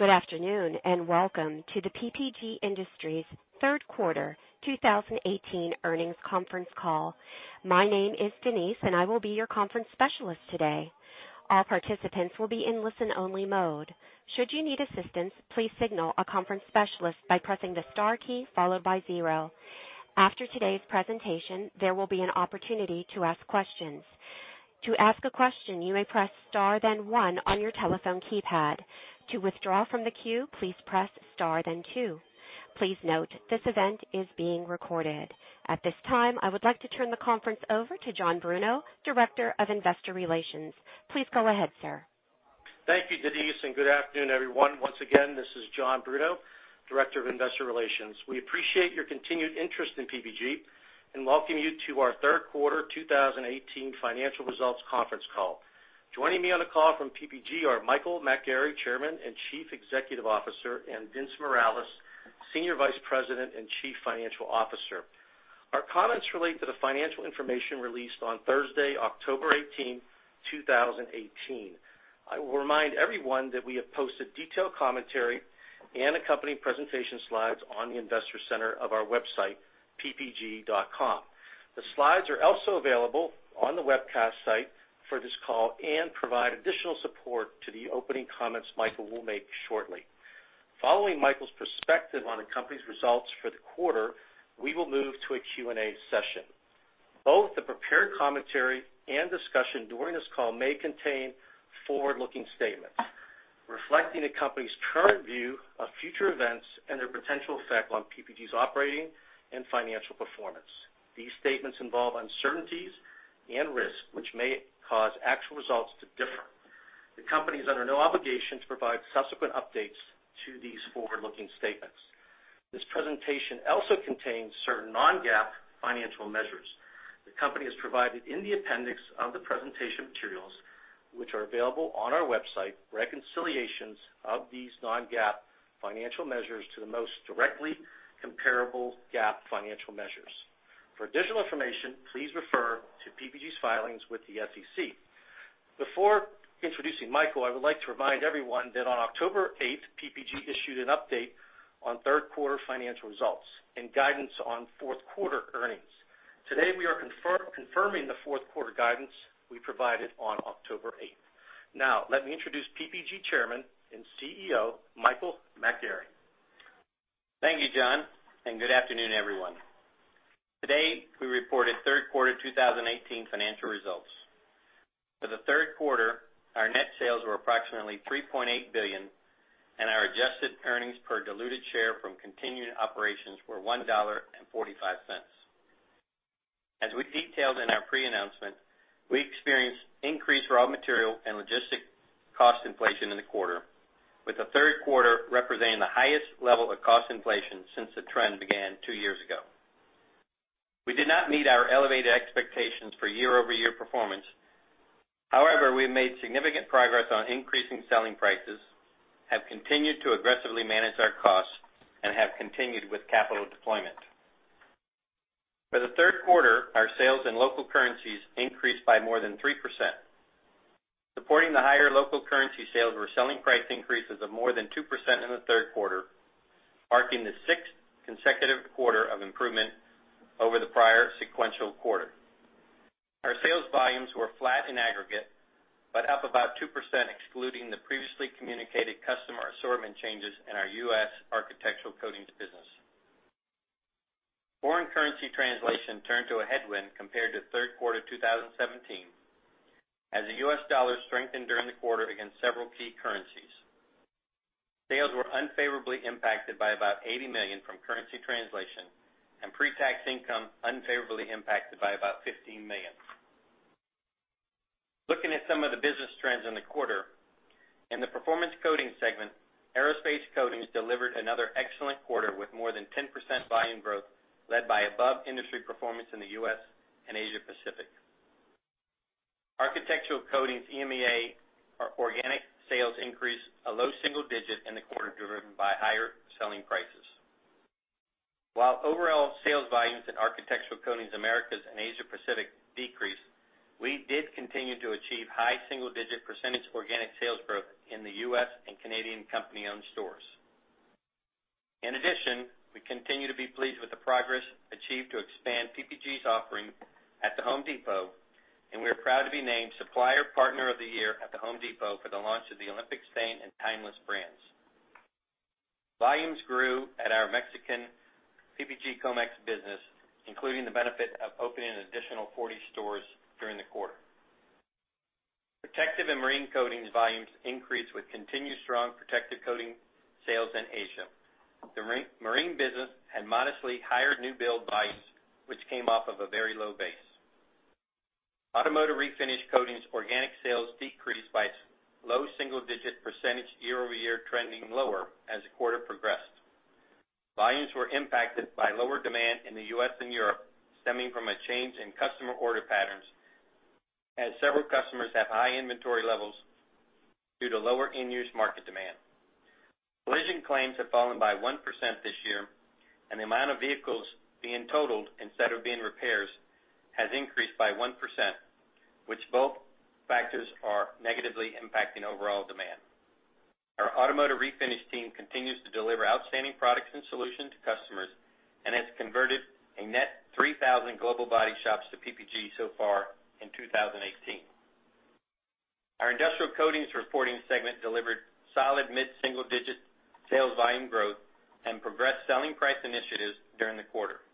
Good afternoon, welcome to the PPG Industries third quarter 2018 earnings conference call. My name is Denise, I will be your conference specialist today. All participants will be in listen only mode. Should you need assistance, please signal a conference specialist by pressing the star key followed by 0. After today's presentation, there will be an opportunity to ask questions. To ask a question, you may press star then 1 on your telephone keypad. To withdraw from the queue, please press star then 2. Please note, this event is being recorded. At this time, I would like to turn the conference over to John Bruno, Director of Investor Relations. Please go ahead, sir. Thank you, Denise, good afternoon, everyone. Once again, this is John Bruno, Director of Investor Relations. We appreciate your continued interest in PPG welcome you to our third quarter 2018 financial results conference call. Joining me on the call from PPG are Michael McGarry, Chairman and Chief Executive Officer, Vince Morales, Senior Vice President and Chief Financial Officer. Our comments relate to the financial information released on Thursday, October 18, 2018. I will remind everyone that we have posted detailed commentary and accompanying presentation slides on the investor center of our website, ppg.com. The slides are also available on the webcast site for this call and provide additional support to the opening comments Michael will make shortly. Following Michael's perspective on the company's results for the quarter, we will move to a Q&A session. Both the prepared commentary and discussion during this call may contain forward-looking statements reflecting the company's current view of future events and their potential effect on PPG's operating and financial performance. These statements involve uncertainties and risk, which may cause actual results to differ. The company is under no obligation to provide subsequent updates to these forward-looking statements. This presentation also contains certain non-GAAP financial measures. The company has provided, in the appendix of the presentation materials, which are available on our website, reconciliations of these non-GAAP financial measures to the most directly comparable GAAP financial measures. For additional information, please refer to PPG's filings with the SEC. Before introducing Michael, I would like to remind everyone that on October 8th, PPG issued an update on third quarter financial results and guidance on fourth quarter earnings. Today, we are confirming the fourth-quarter guidance we provided on October 8th. Now, let me introduce PPG Chairman and CEO, Michael McGarry. Thank you, John, and good afternoon, everyone. Today, we reported third quarter 2018 financial results. For the third quarter, our net sales were approximately $3.8 billion, and our adjusted earnings per diluted share from continuing operations were $1.45. As we detailed in our pre-announcement, we experienced increased raw material and logistic cost inflation in the quarter, with the third quarter representing the highest level of cost inflation since the trend began two years ago. We did not meet our elevated expectations for year-over-year performance. We made significant progress on increasing selling prices, have continued to aggressively manage our costs, and have continued with capital deployment. For the third quarter, our sales in local currencies increased by more than 3%. Supporting the higher local currency sales were selling price increases of more than 2% in the third quarter, marking the sixth consecutive quarter of improvement over the prior sequential quarter. Our sales volumes were flat in aggregate, but up about 2% excluding the previously communicated customer assortment changes in our U.S. Architectural Coatings business. Foreign currency translation turned to a headwind compared to third quarter 2017 as the U.S. dollar strengthened during the quarter against several key currencies. Sales were unfavorably impacted by about $80 million from currency translation, and pre-tax income unfavorably impacted by about $15 million. Looking at some of the business trends in the quarter. In the Performance Coatings segment, aerospace coatings delivered another excellent quarter with more than 10% volume growth led by above-industry performance in the U.S. and Asia-Pacific. Architectural Coatings, EMEA, our organic sales increased a low single digit in the quarter, driven by higher selling prices. While overall sales volumes in Architectural Coatings, Americas and Asia Pacific decreased, we did continue to achieve high single-digit percentage organic sales growth in the U.S. and Canadian company-owned stores. In addition, we continue to be pleased with the progress achieved to expand PPG's offering at The Home Depot, and we are proud to be named Supplier Partner of the Year at The Home Depot for the launch of the Olympic Stain and Timeless brands. Volumes grew at our Mexican PPG Comex business, including the benefit of opening an additional 40 stores during the quarter. Protective and marine coatings volumes increased with continued strong protective coating sales in Asia. The marine business had modestly higher new build volumes, which came off of a very low base. Automotive Refinish Coatings organic sales decreased by low single-digit percentage year-over-year, trending lower as the quarter progressed. Volumes were impacted by lower demand in the U.S. and Europe, stemming from a change in customer order patterns as several customers have high inventory levels due to lower end-use market demand. Collision claims have fallen by 1% this year, and the amount of vehicles being totaled instead of being repairs has increased by 1%. Which both factors are negatively impacting overall demand. Our automotive refinish team continues to deliver outstanding products and solutions to customers and has converted a net 3,000 global body shops to PPG so far in 2018. Our Industrial Coatings reporting segment delivered solid mid-single-digit sales volume growth and progressed selling price initiatives during the quarter.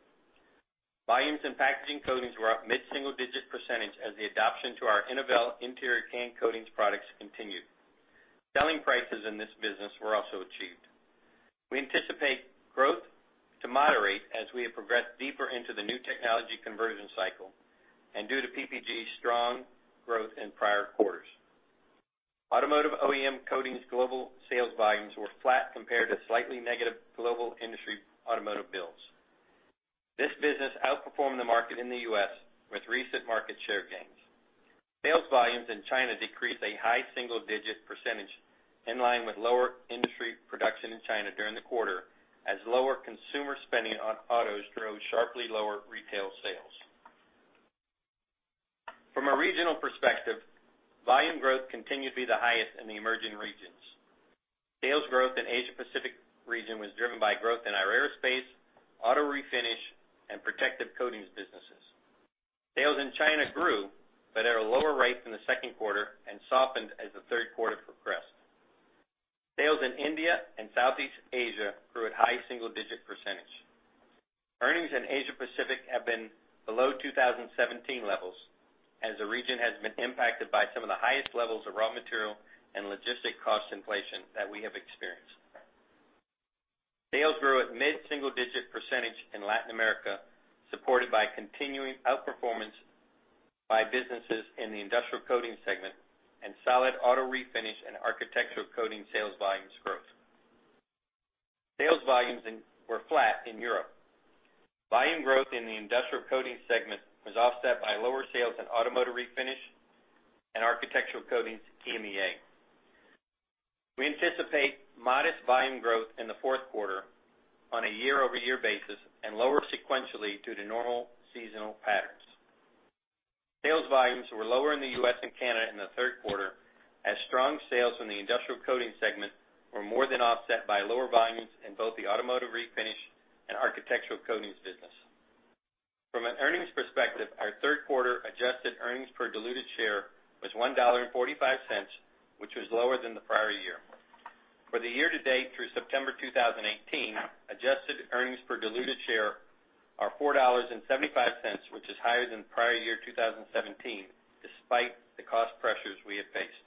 Volumes and packaging coatings were up mid-single-digit percentage as the adoption to our Innovel interior can coatings products continued. Selling prices in this business were also achieved. We anticipate growth to moderate as we have progressed deeper into the new technology conversion cycle and due to PPG's strong growth in prior quarters. Automotive OEM coatings global sales volumes were flat compared to slightly negative global industry automotive builds. This business outperformed the market in the U.S. with recent market share gains. Sales volumes in China decreased a high single-digit %, in line with lower industry production in China during the quarter, as lower consumer spending on autos drove sharply lower retail sales. From a regional perspective, volume growth continued to be the highest in the emerging regions. Sales growth in Asia Pacific region was driven by growth in our aerospace, automotive refinish, and protective coatings businesses. Sales in China grew but at a lower rate than the second quarter and softened as the third quarter progressed. Sales in India and Southeast Asia grew at high single-digit %. Earnings in Asia Pacific have been below 2017 levels, as the region has been impacted by some of the highest levels of raw material and logistic cost inflation that we have experienced. Sales grew at mid-single-digit % in Latin America, supported by continuing outperformance by businesses in the industrial coatings segment and solid automotive refinish and Architectural Coatings sales volumes growth. Sales volumes were flat in Europe. Volume growth in the industrial coatings segment was offset by lower sales in automotive refinish and Architectural Coatings EMEA. We anticipate modest volume growth in the fourth quarter on a year-over-year basis and lower sequentially due to normal seasonal patterns. Sales volumes were lower in the U.S. and Canada in the third quarter as strong sales from the industrial coatings segment were more than offset by lower volumes in both the automotive refinish and Architectural Coatings business. From an earnings perspective, our third quarter adjusted earnings per diluted share was $1.45, which was lower than the prior year. For the year-to-date through September 2018, adjusted earnings per diluted share are $4.75, which is higher than prior year 2017, despite the cost pressures we have faced.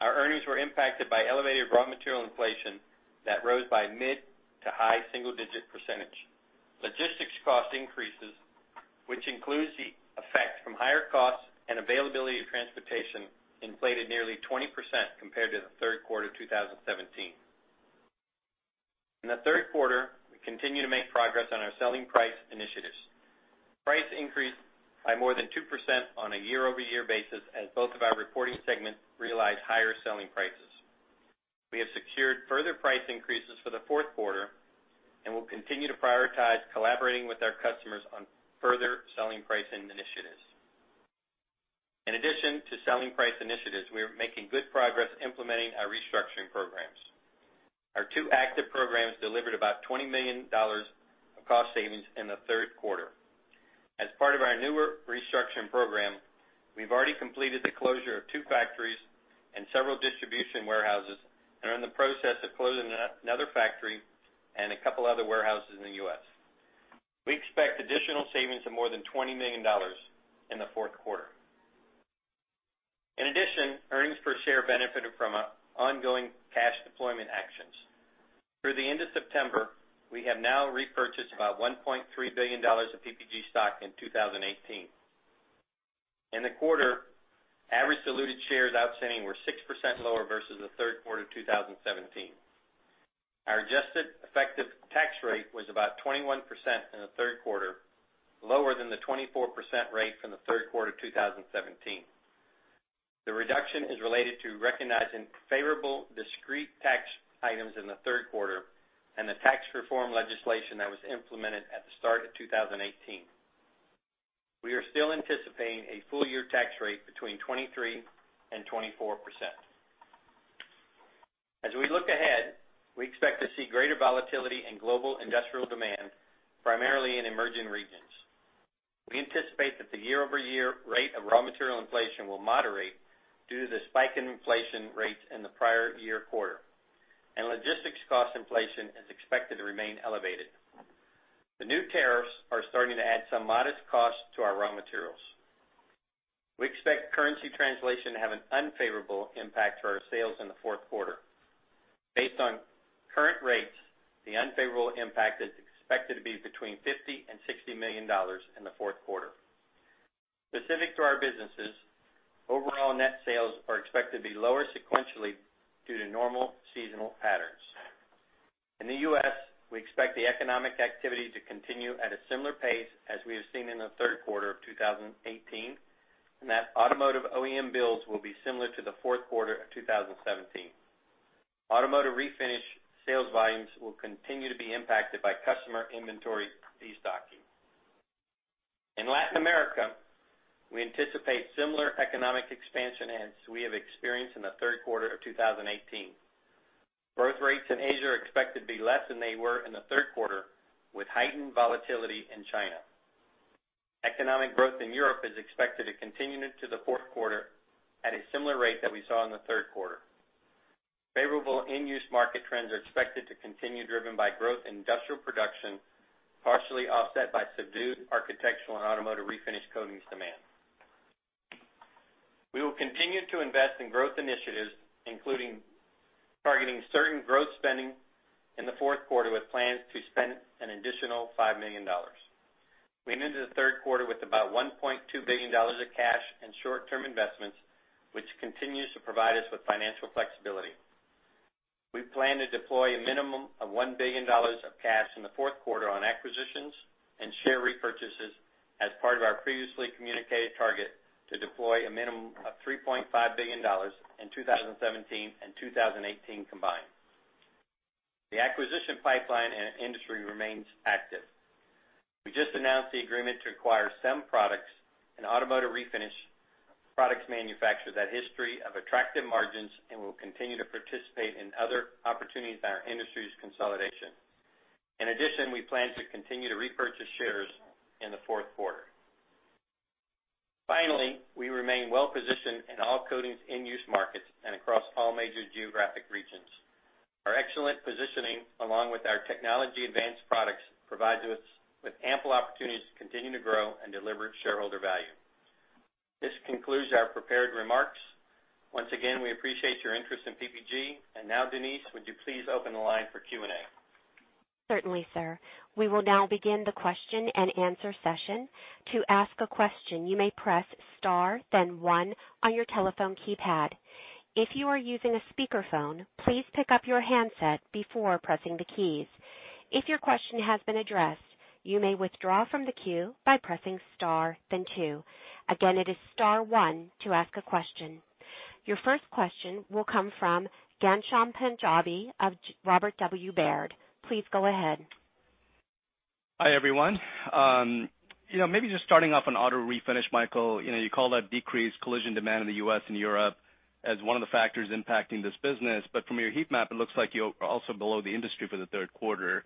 Our earnings were impacted by elevated raw material inflation that rose by mid to high single-digit %. Logistics cost increases, which includes the effect from higher costs and availability of transportation, inflated nearly 20% compared to the third quarter of 2017. In the third quarter, we continued to make progress on our selling price initiatives. Price increased by more than 2% on a year-over-year basis as both of our reporting segments realized higher selling prices. We have secured further price increases for the fourth quarter and will continue to prioritize collaborating with our customers on further selling pricing initiatives. In addition to selling price initiatives, we are making good progress implementing our restructuring programs. Our two active programs delivered about $20 million of cost savings in the third quarter. As part of our newer restructuring program, we've already completed the closure of two factories and several distribution warehouses and are in the process of closing another factory and a couple other warehouses in the U.S. We expect additional savings of more than $20 million in the fourth quarter. In addition, earnings per share benefited from ongoing cash deployment actions. Through the end of September, we have now repurchased about $1.3 billion of PPG stock in 2018. In the quarter, average diluted shares outstanding were 6% lower versus the third quarter of 2017. Our adjusted effective tax rate was about 21% in the third quarter, lower than the 24% rate from the third quarter of 2017. The reduction is related to recognizing favorable discrete tax items in the third quarter and the tax reform legislation that was implemented at the start of 2018. We are still anticipating a full year tax rate between 23% and 24%. We look ahead, we expect to see greater volatility in global industrial demand, primarily in emerging regions. We anticipate that the year-over-year rate of raw material inflation will moderate due to the spike in inflation rates in the prior year quarter, and logistics cost inflation is expected to remain elevated. The new tariffs are starting to add some modest cost to our raw materials. We expect currency translation to have an unfavorable impact to our sales in the fourth quarter. Based on current rates, the unfavorable impact is expected to be between $50 million and $60 million in the fourth quarter. Specific to our businesses, overall net sales are expected to be lower sequentially due to normal seasonal patterns. In the U.S., we expect the economic activity to continue at a similar pace as we have seen in the third quarter of 2018, and that automotive OEM builds will be similar to the fourth quarter of 2017. automotive refinish sales volumes will continue to be impacted by customer inventory destocking. In Latin America, we anticipate similar economic expansion as we have experienced in the third quarter of 2018. Growth rates in Asia are expected to be less than they were in the third quarter, with heightened volatility in China. Economic growth in Europe is expected to continue into the fourth quarter at a similar rate that we saw in the third quarter. Favorable end-use market trends are expected to continue, driven by growth in industrial production, partially offset by subdued architectural and automotive refinish coatings demand. We will continue to invest in growth initiatives, including targeting certain growth spending in the fourth quarter with plans to spend an additional $5 million. We went into the third quarter with about $1.2 billion of cash and short-term investments, which continues to provide us with financial flexibility. We plan to deploy a minimum of $1 billion of cash in the fourth quarter on acquisitions and share repurchases as part of our previously communicated target to deploy a minimum of $3.5 billion in 2017 and 2018 combined. The acquisition pipeline in our industry remains active. We just announced the agreement to acquire SEM Products, an automotive refinish products manufacturer with a history of attractive margins, and will continue to participate in other opportunities in our industry's consolidation. In addition, we plan to continue to repurchase shares in the fourth quarter. Finally, we remain well-positioned in all coatings end-use markets and across all major geographic regions. Our excellent positioning, along with our technology-advanced products, provides us with ample opportunities to continue to grow and deliver shareholder value. This concludes our prepared remarks. Once again, we appreciate your interest in PPG. Denise, would you please open the line for Q&A? Certainly, sir. We will now begin the question and answer session. To ask a question, you may press star then one on your telephone keypad. If you are using a speakerphone, please pick up your handset before pressing the keys. If your question has been addressed, you may withdraw from the queue by pressing star then two. Again, it is star one to ask a question. Your first question will come from Ghansham Panjabi of Robert W. Baird. Please go ahead. Hi, everyone. Maybe just starting off on auto refinish, Michael, you called out decreased collision demand in the U.S. and Europe as one of the factors impacting this business. From your heat map, it looks like you're also below the industry for the third quarter.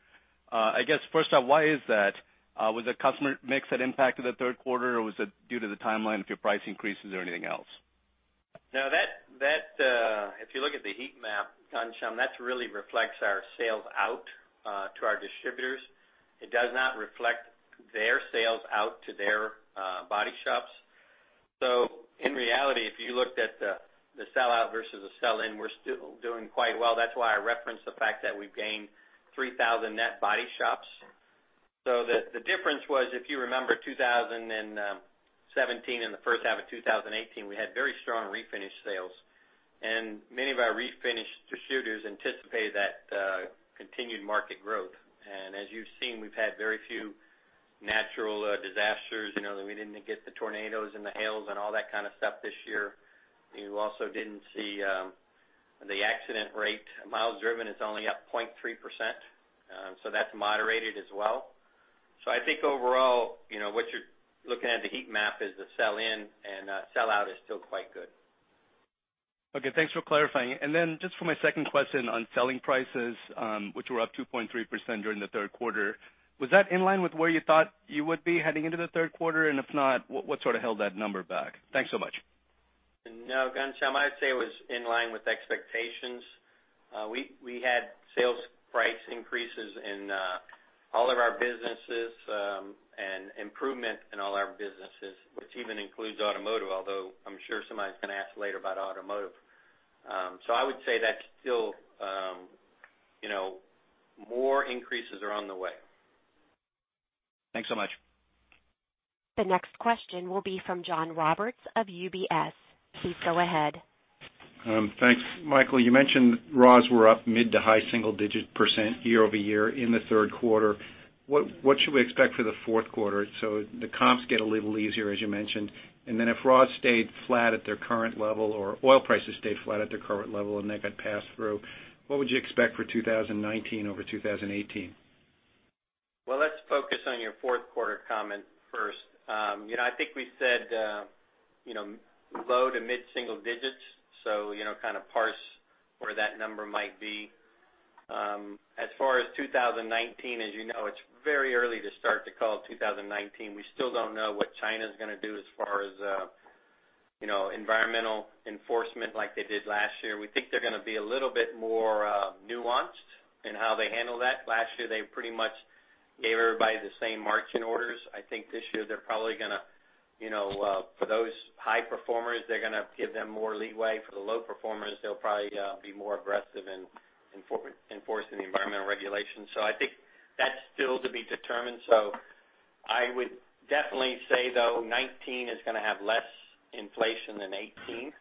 I guess, first off, why is that? Was it customer mix that impacted the third quarter, or was it due to the timeline of your price increases, or anything else? No. If you look at the heat map, Ghansham, that really reflects our sales out to our distributors. It does not reflect their sales out to their body shops. In reality, if you looked at the sell out versus the sell in, we're still doing quite well. That's why I referenced the fact that we've gained 3,000 net body shops. The difference was, if you remember 2017 and the first half of 2018, we had very strong refinish sales. Many of our refinish distributors anticipated that continued market growth. As you've seen, we've had very few natural disasters. We didn't get the tornadoes and the hails and all that kind of stuff this year. You also didn't see the accident rate. Miles driven is only up 0.3%, that's moderated as well. I think overall, what you're looking at in the heat map is the sell in, sell out is still quite good. Okay, thanks for clarifying. Just for my second question on selling prices, which were up 2.3% during the third quarter. Was that in line with where you thought you would be heading into the third quarter? If not, what held that number back? Thanks so much. No, Ghansham, I'd say it was in line with expectations. We had sales price increases in all of our businesses, and improvement in all our businesses, which even includes automotive, although I'm sure somebody's going to ask later about automotive. I would say more increases are on the way. Thanks so much. The next question will be from John Roberts of UBS. Please go ahead. Thanks. Michael, you mentioned raws were up mid to high single digit % year-over-year in the third quarter. What should we expect for the fourth quarter? The comps get a little easier, as you mentioned. If raws stayed flat at their current level, or oil prices stayed flat at their current level, and they got passed through, what would you expect for 2019 over 2018? Let's focus on your fourth quarter comment first. I think we said low to mid single digits, so kind of parse where that number might be. As far as 2019, as you know, it's very early to start to call 2019. We still don't know what China's going to do as far as environmental enforcement like they did last year. We think they're going to be a little bit more nuanced in how they handle that. Last year, they pretty much gave everybody the same marching orders. I think this year, for those high performers, they're going to give them more leeway. For the low performers, they'll probably be more aggressive in enforcing the environmental regulations. I think that's still to be determined. I would definitely say, though, 2019 is going to have less inflation than 2018.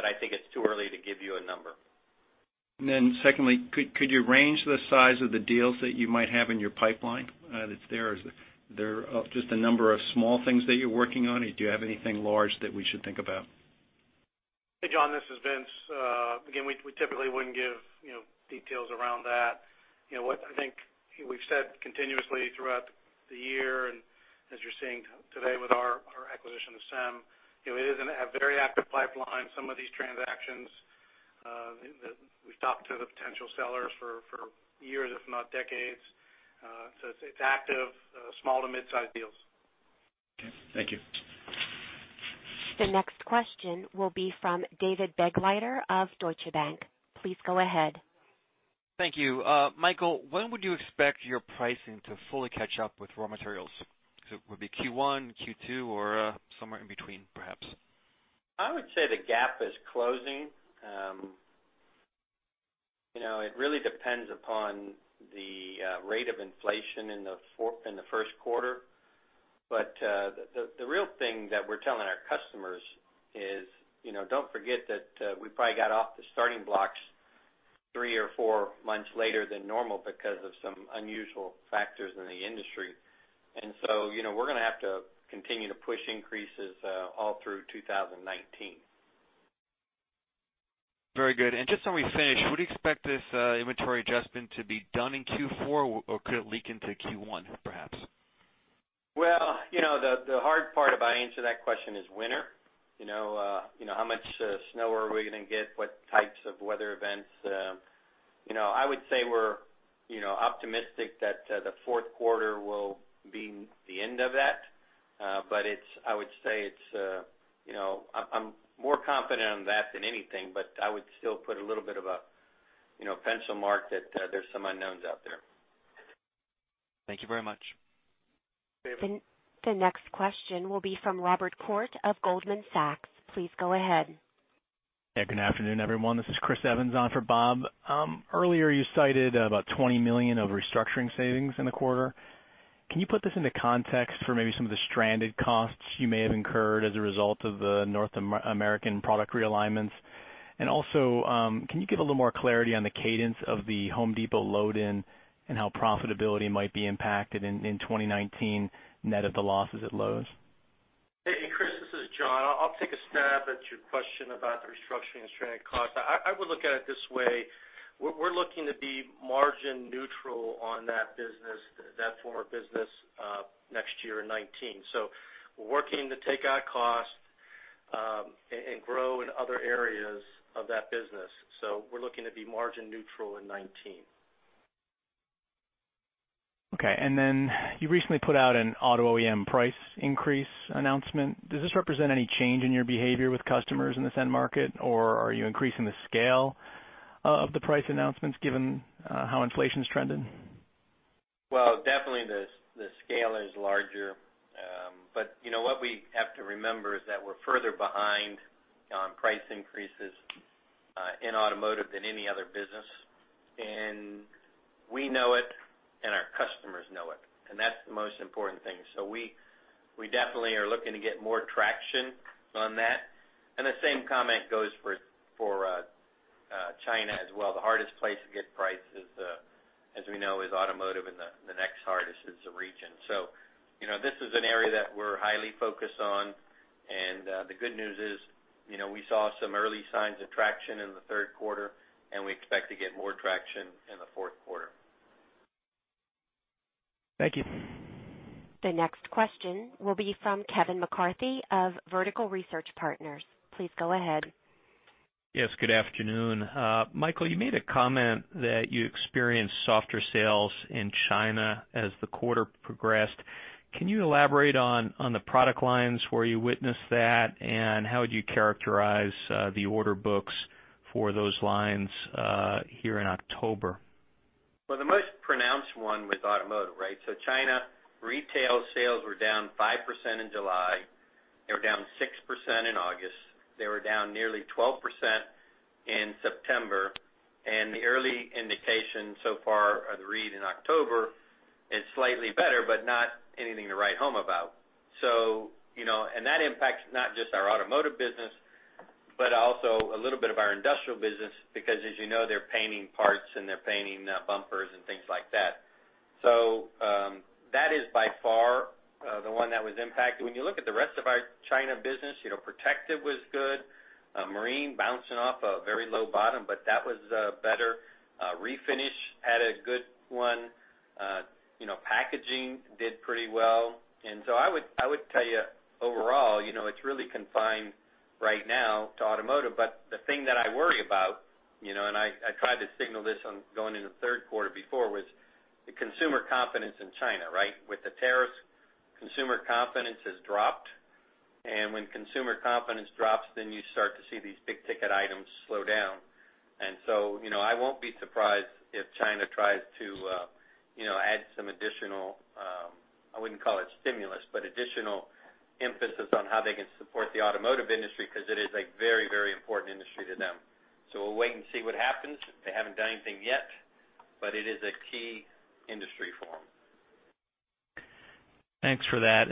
I think it's too early to give you a number. Secondly, could you range the size of the deals that you might have in your pipeline? Is there just a number of small things that you're working on, or do you have anything large that we should think about? John, this is Vince. We typically wouldn't give details around that. What I think we've said continuously throughout the year, and as you're seeing today with our acquisition of SEM, we have a very active pipeline. Some of these transactions, we've talked to the potential sellers for years, if not decades. It's active small to mid-size deals. Okay, thank you. The next question will be from David Begleiter of Deutsche Bank. Please go ahead. Thank you. Michael, when would you expect your pricing to fully catch up with raw materials? It would be Q1, Q2 or somewhere in between, perhaps? I would say the gap is closing. It really depends upon the rate of inflation in the first quarter. The real thing that we're telling our customers is, don't forget that we probably got off the starting blocks three or four months later than normal because of some unusual factors in the industry. We're going to have to continue to push increases all through 2019. Very good. Just so we finish, would you expect this inventory adjustment to be done in Q4, or could it leak into Q1, perhaps? Well, the hard part if I answer that question is winter. How much snow are we going to get? What types of weather events? I would say we're optimistic that the fourth quarter will be the end of that. I would say I'm more confident on that than anything, but I would still put a little bit of a pencil mark that there's some unknowns out there. Thank you very much. The next question will be from Robert Koort of Goldman Sachs. Please go ahead. Yeah, good afternoon, everyone. This is Christopher Evans on for Bob. Earlier you cited about $20 million of restructuring savings in the quarter. Can you put this into context for maybe some of the stranded costs you may have incurred as a result of the North American product realignments? Also, can you give a little more clarity on the cadence of The Home Depot load in and how profitability might be impacted in 2019, net of the losses at Lowe's? Hey, Chris, this is John. I'll take a stab at your question about the restructuring and stranded costs. I would look at it this way. We're looking to be margin neutral on that business, that former business, next year in 2019. We're working to take out cost and grow in other areas of that business. We're looking to be margin neutral in 2019. Okay. Then you recently put out an auto OEM price increase announcement. Does this represent any change in your behavior with customers in the OEM market, or are you increasing the scale of the price announcements given how inflation's trending? Definitely the scale is larger. What we have to remember is that we're further behind on price increases in automotive than any other business. We know it, our customers know it, and that's the most important thing. We definitely are looking to get more traction on that. The same comment goes for China as well. The hardest place to get price, as we know, is automotive, and the next hardest is the region. This is an area that we're highly focused on, and the good news is we saw some early signs of traction in the third quarter, and we expect to get more traction in the fourth quarter. Thank you. The next question will be from Kevin McCarthy of Vertical Research Partners. Please go ahead. Yes, good afternoon. Michael, you made a comment that you experienced softer sales in China as the quarter progressed. Can you elaborate on the product lines where you witnessed that, and how would you characterize the order books for those lines here in October? The most pronounced one was automotive, right? China retail sales were down 5% in July. They were down 6% in August. They were down nearly 12% in September. The early indication so far, the read in October is slightly better, but not anything to write home about. That impacts not just our automotive business, but also a little bit of our industrial business, because as you know, they're painting parts and they're painting bumpers and things like that. That is by far the one that was impacted. When you look at the rest of our China business, protective was good. Marine bouncing off a very low bottom, but that was better. Refinish had a good one. Packaging did pretty well. I would tell you overall, it's really confined right now to automotive. The thing that I worry about, and I tried to signal this going into the third quarter before, was the consumer confidence in China, right? With the tariffs, consumer confidence has dropped, and when consumer confidence drops, then you start to see these big ticket items slow down. I won't be surprised if China tries to add some additional, I wouldn't call it stimulus, but additional emphasis on how they can support the automotive industry, because it is a very important industry to them. We'll wait and see what happens. They haven't done anything yet, but it is a key industry for them. Thanks for that.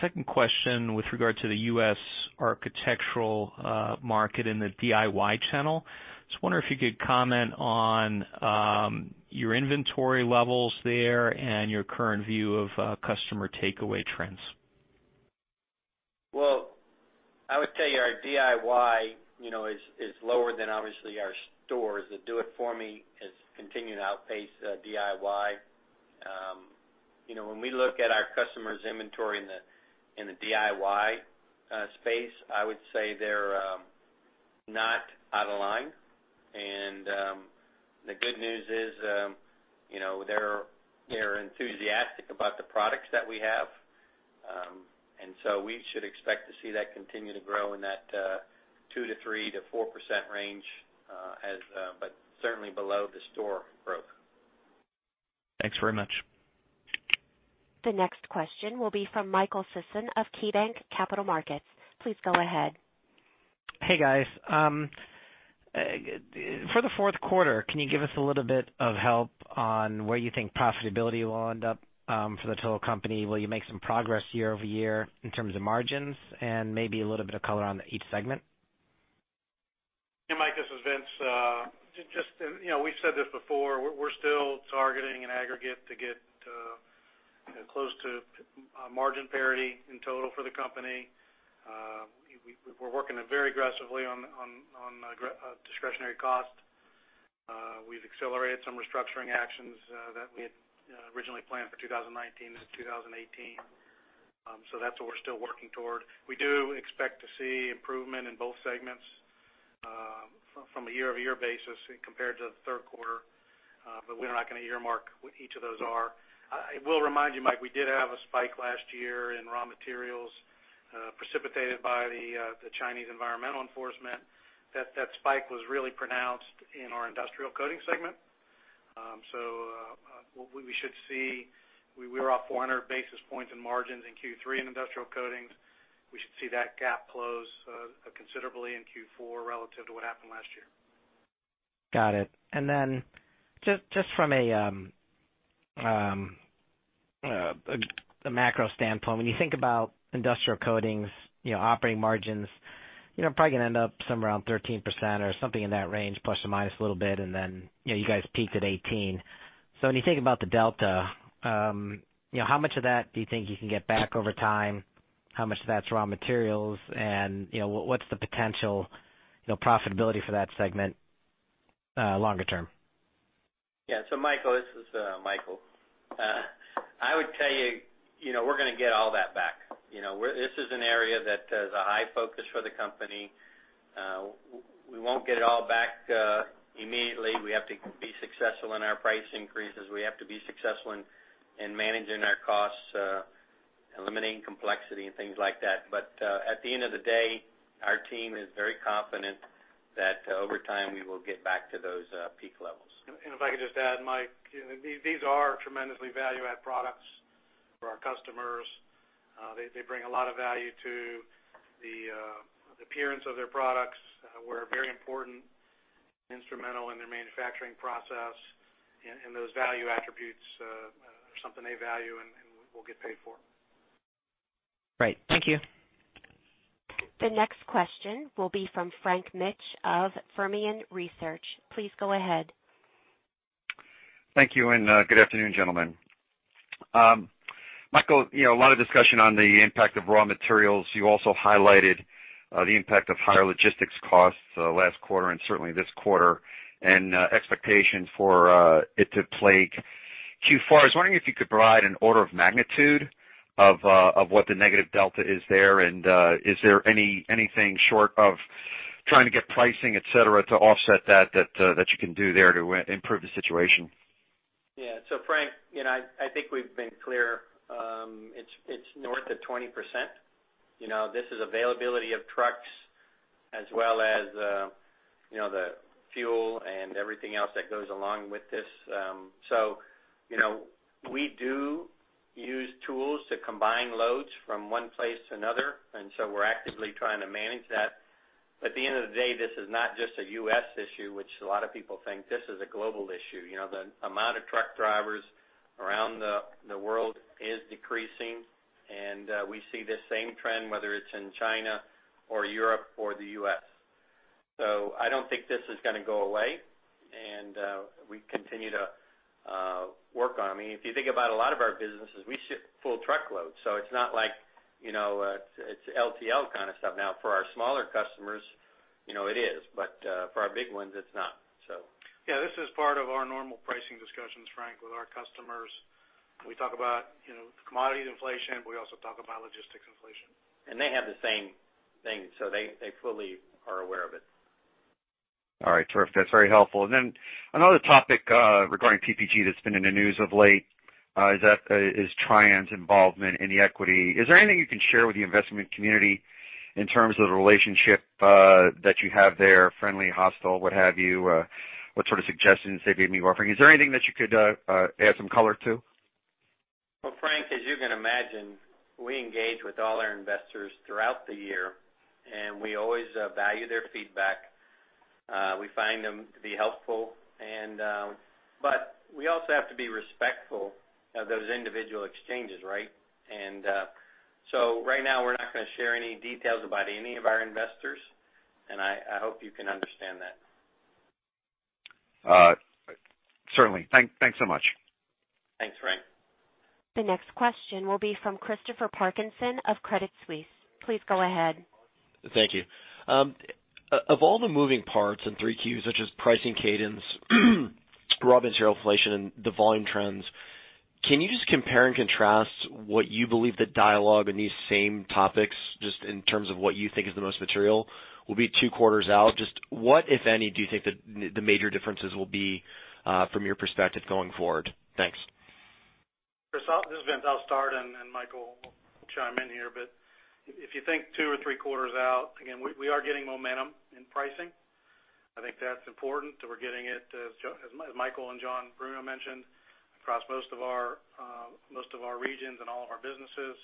Second question with regard to the U.S. architectural market in the DIY channel. I just wonder if you could comment on your inventory levels there and your current view of customer takeaway trends. Well, I would tell you our DIY is lower than obviously our stores. The do it for me has continued to outpace DIY. When we look at our customers' inventory in the DIY space, I would say they're not out of line. The good news is they're enthusiastic about the products that we have. We should expect to see that continue to grow in that 2%-3%-4% range, but certainly below the store growth. Thanks very much. The next question will be from Michael Sison of KeyBanc Capital Markets. Please go ahead. Hey, guys. For the fourth quarter, can you give us a little bit of help on where you think profitability will end up for the total company? Will you make some progress year-over-year in terms of margins? Maybe a little bit of color on each segment. Mike, this is Vince. We've said this before, we're still targeting an aggregate to get close to margin parity in total for the company. We're working very aggressively on discretionary costs. We've accelerated some restructuring actions that we had originally planned for 2019 into 2018. That's what we're still working toward. We do expect to see improvement in both segments from a year-over-year basis compared to the third quarter. We're not going to earmark what each of those are. I will remind you, Mike, we did have a spike last year in raw materials precipitated by the Chinese environmental enforcement. That spike was really pronounced in our Industrial Coatings segment. We were off 400 basis points in margins in Q3 in Industrial Coatings. We should see that gap close considerably in Q4 relative to what happened last year. Got it. Just from a macro standpoint, when you think about Industrial Coatings, operating margins, probably going to end up somewhere around 13% or something in that range, plus or minus a little bit, and then you guys peaked at 18. When you think about the delta, how much of that do you think you can get back over time? How much of that's raw materials, and what's the potential profitability for that segment longer term? Michael, this is Michael. I would tell you, we're going to get all that back. This is an area that has a high focus for the company. We won't get it all back immediately. We have to be successful in our price increases. We have to be successful in managing our costs, eliminating complexity and things like that. At the end of the day, our team is very confident that over time we will get back to those peak levels. If I could just add, Mike, these are tremendously value-add products for our customers. They bring a lot of value to the appearance of their products. We're very important, instrumental in their manufacturing process, and those value attributes are something they value and we'll get paid for. Right. Thank you. The next question will be from Frank Mitsch of Fermium Research. Please go ahead. Thank you, good afternoon, gentlemen. Michael, a lot of discussion on the impact of raw materials. You also highlighted the impact of higher logistics costs last quarter and certainly this quarter, and expectations for it to plague Q4. I was wondering if you could provide an order of magnitude of what the negative delta is there, and is there anything short of trying to get pricing, et cetera, to offset that you can do there to improve the situation? Yeah. Frank, I think we've been clear. It's north of 20%. This is availability of trucks as well as the fuel and everything else that goes along with this. We do use tools to combine loads from one place to another, and so we're actively trying to manage that. At the end of the day, this is not just a U.S. issue, which a lot of people think. This is a global issue. The amount of truck drivers around the world is decreasing, and we see the same trend, whether it's in China or Europe or the U.S. I don't think this is going to go away, and we continue to work on it. If you think about a lot of our businesses, we ship full truckloads, so it's not like it's LTL kind of stuff. Now, for our smaller customers, it is. For our big ones, it's not. Yeah, this is part of our normal pricing discussions, Frank, with our customers. We talk about commodity inflation. We also talk about logistics inflation. They have the same thing, so they fully are aware of it. All right, terrific. That's very helpful. Then another topic regarding PPG that's been in the news of late is Trian's involvement in the equity. Is there anything you can share with the investment community in terms of the relationship that you have there, friendly, hostile, what have you? What sort of suggestions they may be offering? Is there anything that you could add some color to? Well, Frank, as you can imagine, we engage with all our investors throughout the year, and we always value their feedback. We find them to be helpful, but we also have to be respectful of those individual exchanges, right? Right now, we're not going to share any details about any of our investors, and I hope you can understand that. Certainly. Thanks so much. Thanks, Frank. The next question will be from Christopher Parkinson of Credit Suisse. Please go ahead. Thank you. Of all the moving parts in 3Q, such as pricing cadence, raw material inflation, and the volume trends, can you just compare and contrast what you believe the dialogue in these same topics, just in terms of what you think is the most material, will be two quarters out? Just what, if any, do you think the major differences will be from your perspective going forward? Thanks. Chris, this is Vince. I'll start, and Michael will chime in here. If you think two or three quarters out, again, we are getting momentum in pricing. I think that's important that we're getting it, as Michael and John Bruno mentioned, across most of our regions and all of our businesses.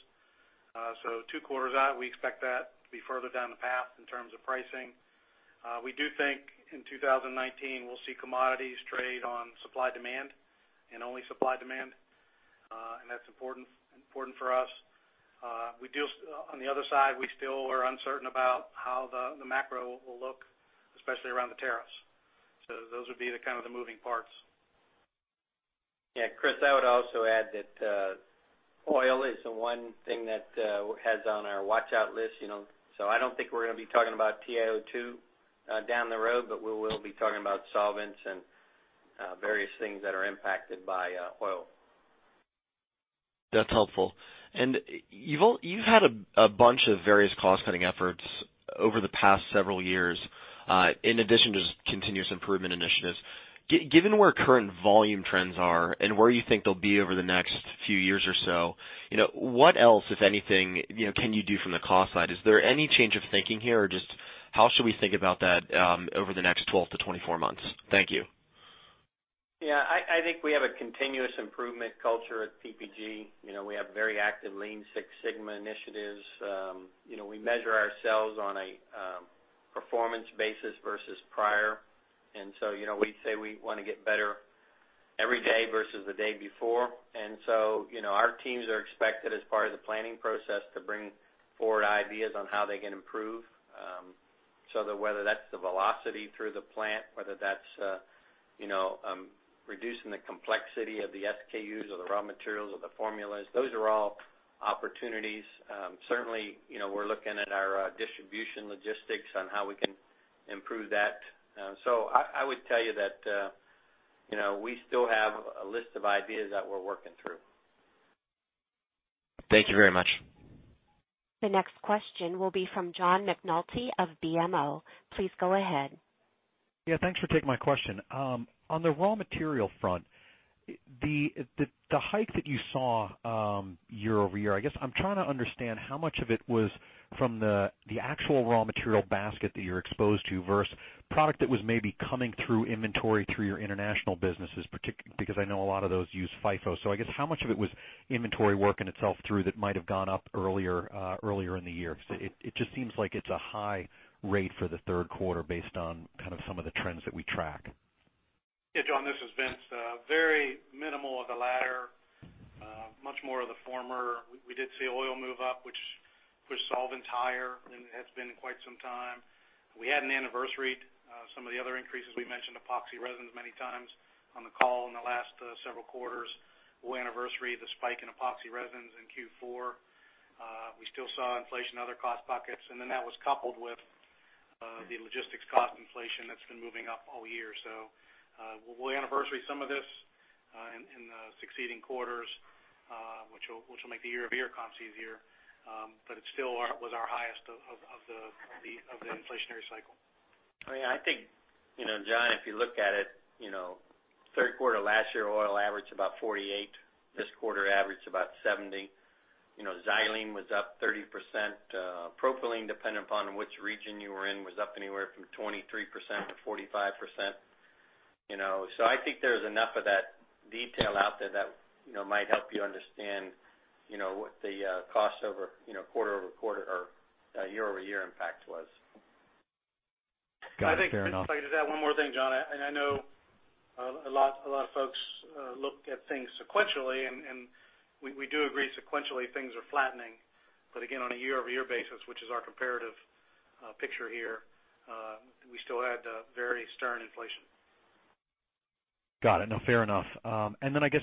Two quarters out, we expect that to be further down the path in terms of pricing. We do think in 2019, we'll see commodities trade on supply-demand, and only supply-demand. That's important for us. On the other side, we still are uncertain about how the macro will look, especially around the tariffs. Those would be the kind of the moving parts. Yeah, Chris, I would also add that oil is the one thing that has on our watch-out list. I don't think we're going to be talking about TiO2 down the road, but we will be talking about solvents and various things that are impacted by oil. That's helpful. You've had a bunch of various cost-cutting efforts over the past several years, in addition to just continuous improvement initiatives. Given where current volume trends are and where you think they'll be over the next few years or so, what else, if anything, can you do from the cost side? Is there any change of thinking here, or just how should we think about that over the next 12 to 24 months? Thank you. I think we have a continuous improvement culture at PPG. We have very active Lean Six Sigma initiatives. We measure ourselves on a performance basis versus prior. We say we want to get better every day versus the day before. Our teams are expected as part of the planning process to bring forward ideas on how they can improve. Whether that's the velocity through the plant, whether that's reducing the complexity of the SKUs or the raw materials or the formulas, those are all opportunities. Certainly, we're looking at our distribution logistics on how we can improve that. I would tell you that we still have a list of ideas that we're working through. Thank you very much. The next question will be from John McNulty of BMO. Please go ahead. Thanks for taking my question. On the raw material front, the hike that you saw year-over-year, I guess I'm trying to understand how much of it was from the actual raw material basket that you're exposed to versus product that was maybe coming through inventory through your international businesses, because I know a lot of those use FIFO. I guess how much of it was inventory working itself through that might have gone up earlier in the year? Because it just seems like it's a high rate for the third quarter based on kind of some of the trends that we track. Yeah, John, this is Vince. Very minimal of the latter. Much more of the former. We did see oil move up, which pushed solvents higher than it has been in quite some time. We hadn't anniversaried some of the other increases. We mentioned epoxy resins many times on the call in the last several quarters. We'll anniversary the spike in epoxy resins in Q4. We still saw inflation in other cost buckets, and then that was coupled with the logistics cost inflation that's been moving up all year. We'll anniversary some of this in the succeeding quarters, which will make the year-over-year comps easier. It still was our highest of the inflationary cycle. I think, John, if you look at it, third quarter last year, oil averaged about $48. This quarter averaged about $70. Xylene was up 30%. Propylene, depending upon which region you were in, was up anywhere from 23%-45%. I think there's enough of that detail out there that might help you understand what the cost over quarter-over-quarter or year-over-year impact was. Got it. Fair enough. If I could just add one more thing, John. I know a lot of folks look at things sequentially, and we do agree sequentially things are flattening. Again, on a year-over-year basis, which is our comparative picture here, we still had very stern inflation. Got it. No, fair enough. I guess,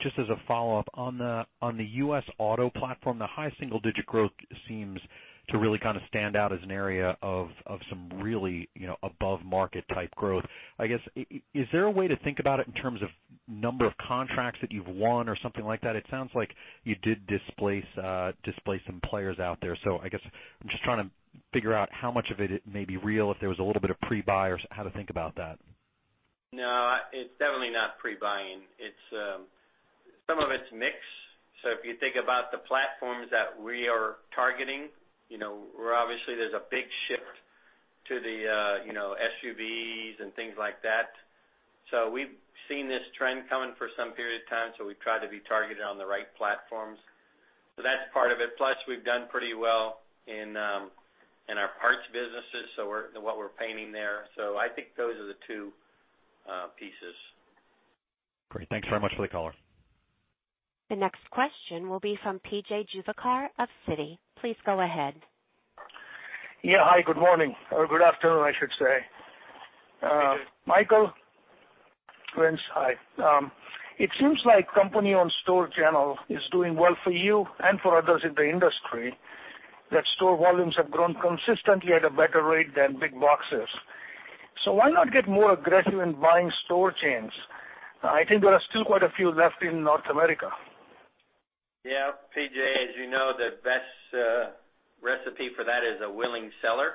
just as a follow-up, on the U.S. auto platform, the high single-digit growth seems to really kind of stand out as an area of some really above-market type growth. I guess, is there a way to think about it in terms of number of contracts that you've won or something like that? It sounds like you did displace some players out there. I guess I'm just trying to figure out how much of it may be real, if there was a little bit of pre-buy, or how to think about that. No, it's definitely not pre-buying. Some of it's mix. If you think about the platforms that we are targeting, obviously there's a big shift to the SUVs and things like that. We've seen this trend coming for some period of time, so we've tried to be targeted on the right platforms. That's part of it. Plus, we've done pretty well in our parts businesses, so what we're painting there. I think those are the two pieces. Great. Thanks very much for the color. The next question will be from P.J. Juvekar of Citi. Please go ahead. Yeah. Hi, good morning, or good afternoon, I should say. Good day. Michael, Vince, hi. It seems like company-owned store channel is doing well for you and for others in the industry, that store volumes have grown consistently at a better rate than big boxes. Why not get more aggressive in buying store chains? I think there are still quite a few left in North America. P.J., as you know, the best recipe for that is a willing seller.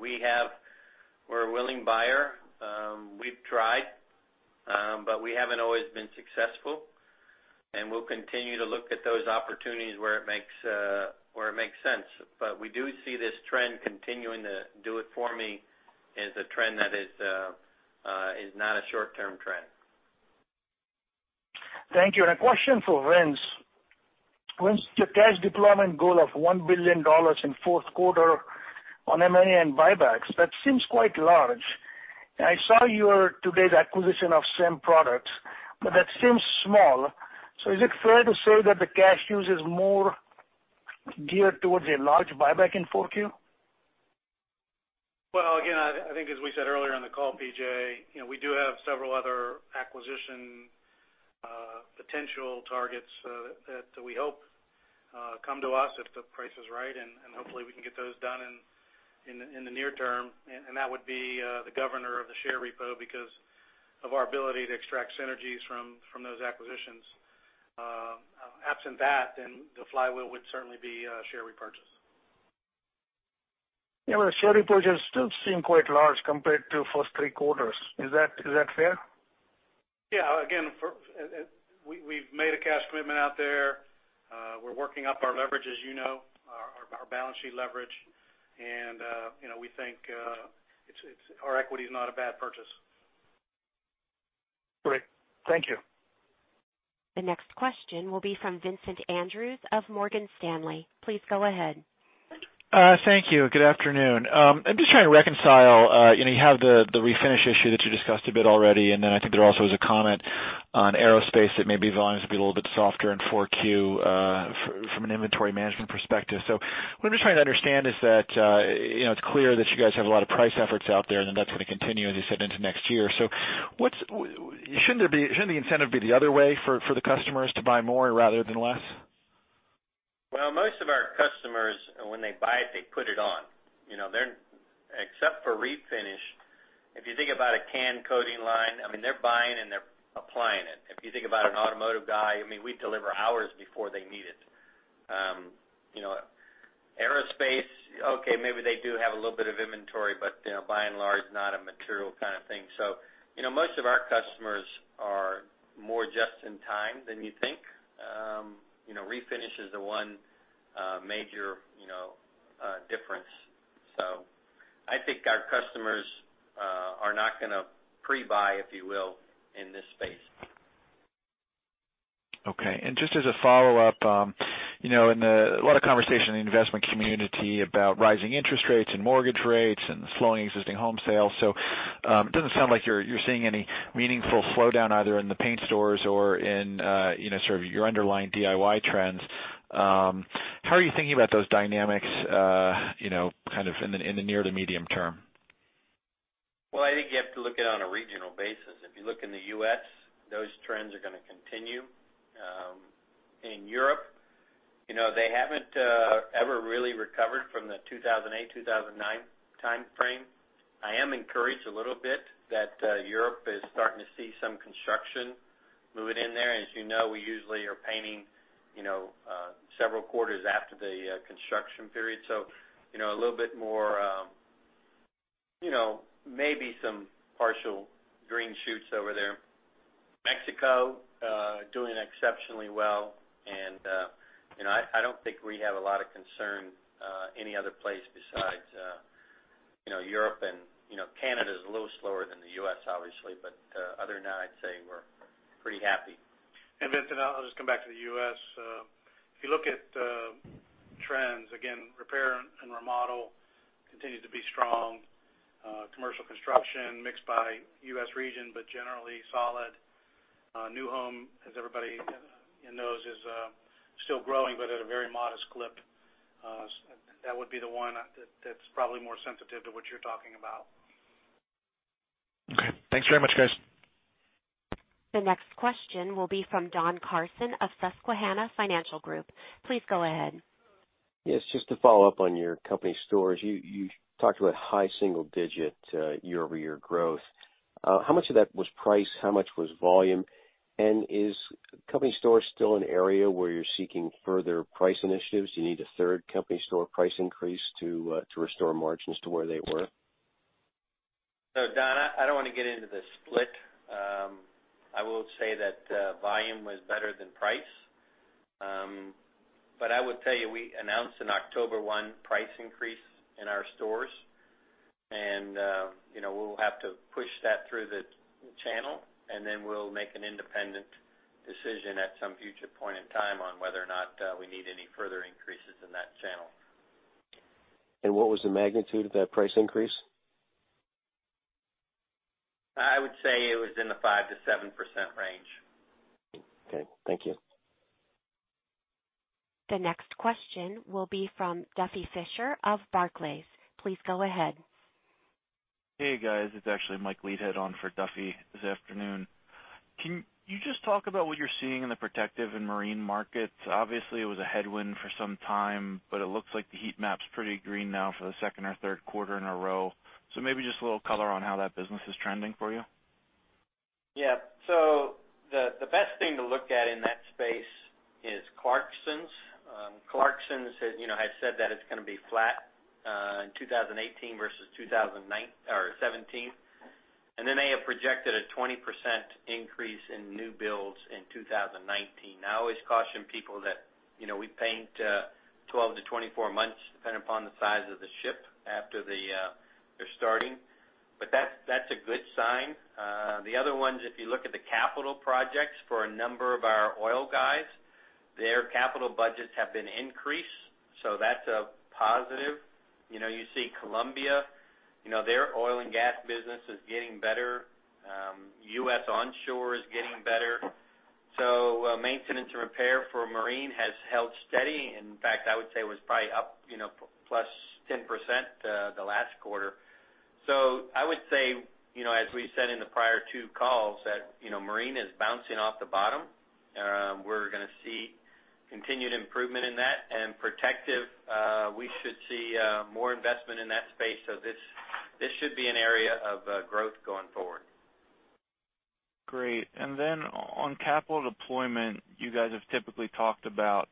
We're a willing buyer. We've tried, we haven't always been successful, and we'll continue to look at those opportunities where it makes sense. We do see this trend continuing to DIY as a trend that is not a short-term trend. Thank you. A question for Vince. Vince, your cash deployment goal of $1 billion in fourth quarter on M&A and buybacks, that seems quite large. I saw your today's acquisition of SEM Products, that seems small. Is it fair to say that the cash use is more geared towards a large buyback in 4Q? Well, again, I think as we said earlier on the call, PJ, we do have several other acquisition potential targets that we hope come to us if the price is right, and hopefully we can get those done in the near term. That would be the governor of the share repo because of our ability to extract synergies from those acquisitions. Absent that, the flywheel would certainly be share repurchase. Yeah. Well, share repurchase still seem quite large compared to first three quarters. Is that fair? Yeah. Again, we've made a cash commitment out there. We're working up our leverage as you know, our balance sheet leverage. We think our equity is not a bad purchase. Great. Thank you. The next question will be from Vincent Andrews of Morgan Stanley. Please go ahead. Thank you. Good afternoon. I'm just trying to reconcile, you have the refinish issue that you discussed a bit already, and then I think there also is a comment on aerospace that maybe volumes will be a little bit softer in 4Q from an inventory management perspective. What I'm just trying to understand is that, it's clear that you guys have a lot of price efforts out there and then that's going to continue, as you said, into next year. Shouldn't the incentive be the other way for the customers to buy more rather than less? Well, most of our customers, when they buy it, they put it on. Except for refinish. If you think about a can coating line, they're buying and they're applying it. If you think about an automotive guy, we deliver hours before they need it. Aerospace, okay, maybe they do have a little bit of inventory, but by and large, not a material kind of thing. Most of our customers are more just in time than you think. Refinish is the one major difference. I think our customers are not going to pre-buy, if you will, in this space. Okay. Just as a follow-up, a lot of conversation in the investment community about rising interest rates and mortgage rates and slowing existing home sales. It doesn't sound like you're seeing any meaningful slowdown either in the paint stores or in sort of your underlying DIY trends. How are you thinking about those dynamics kind of in the near to medium term? Well, I think you have to look at it on a regional basis. If you look in the U.S., those trends are going to continue. In Europe, they haven't ever really recovered from the 2008, 2009 timeframe. I am encouraged a little bit that Europe is starting to see some construction moving in there. As you know, we usually are painting several quarters after the construction period. A little bit more, maybe some partial green shoots over there. Mexico, doing exceptionally well. I don't think we have a lot of concern any other place besides Europe. Canada's a little slower than the U.S. obviously, but other than that, I'd say we're pretty happy. Vincent, I'll just come back to the U.S. If you look at trends, again, repair and remodel continue to be strong. Commercial construction mixed by U.S. region, but generally solid. New home, as everybody knows, is still growing, but at a very modest clip. That would be the one that's probably more sensitive to what you're talking about. Okay. Thanks very much, guys. The next question will be from Don Carson of Susquehanna Financial Group. Please go ahead. Yes, just to follow up on your company stores. You talked about high single-digit year-over-year growth. How much of that was price? How much was volume? Is company stores still an area where you're seeking further price initiatives? Do you need a third company store price increase to restore margins to where they were? Don, I don't want to get into the split. I will say that volume was better than price. I would tell you, we announced an October 1 price increase in our stores, and we'll have to push that through the channel, and then we'll make an independent decision at some future point in time on whether or not we need any further increases in that channel. What was the magnitude of that price increase? I would say it was in the 5%-7% range. Okay, thank you. The next question will be from Duffy Fischer of Barclays. Please go ahead. Hey, guys. It's actually Mike Leithead on for Duffy this afternoon. Can you just talk about what you're seeing in the Protective and Marine markets? Obviously, it was a headwind for some time, but it looks like the heat map's pretty green now for the second or third quarter in a row. Maybe just a little color on how that business is trending for you. Yeah. The best thing to look at in that space is Clarksons. Clarksons has said that it's going to be flat in 2018 versus 2017. They have projected a 20% increase in new builds in 2019. I always caution people that we paint 12 to 24 months, depending upon the size of the ship after they're starting. That's a good sign. The other one is if you look at the capital projects for a number of our oil guys, their capital budgets have been increased. That's a positive. You see Colombia, their oil and gas business is getting better. U.S. onshore is getting better. Maintenance and repair for marine has held steady. In fact, I would say it was probably up +10% the last quarter. I would say, as we said in the prior two calls, that marine is bouncing off the bottom. We're going to see continued improvement in that. Protective, we should see more investment in that space. This should be an area of growth going forward. Great. On capital deployment, you guys have typically talked about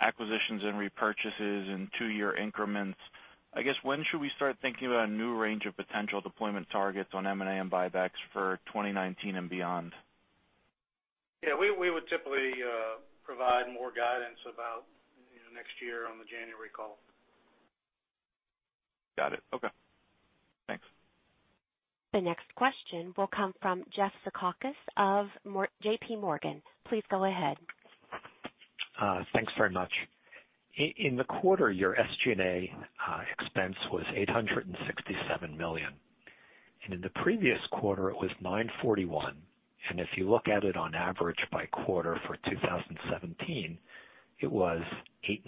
acquisitions and repurchases in two-year increments. I guess, when should we start thinking about a new range of potential deployment targets on M&A and buybacks for 2019 and beyond? Yeah, we would typically provide more guidance about next year on the January call. Got it. Okay. Thanks. The next question will come from Jeff Zekauskas of JPMorgan. Please go ahead. Thanks very much. In the quarter, your SG&A expense was $867 million, and in the previous quarter, it was $941 million. If you look at it on average by quarter for 2017, it was $895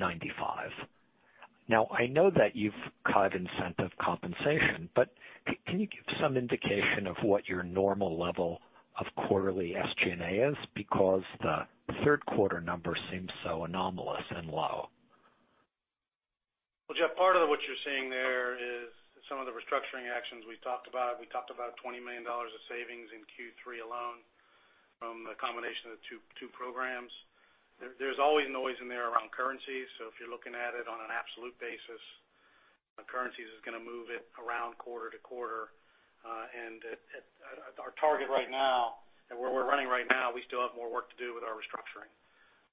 million. I know that you've cut incentive compensation, but can you give some indication of what your normal level of quarterly SG&A is? Because the third quarter number seems so anomalous and low. Well, Jeff, part of what you're seeing there is some of the restructuring actions we've talked about. We talked about $20 million of savings in Q3 alone from the combination of the two programs. There's always noise in there around currency. If you're looking at it on an absolute basis, currency is going to move it around quarter to quarter. Our target right now and where we're running right now, we still have more work to do with our restructuring.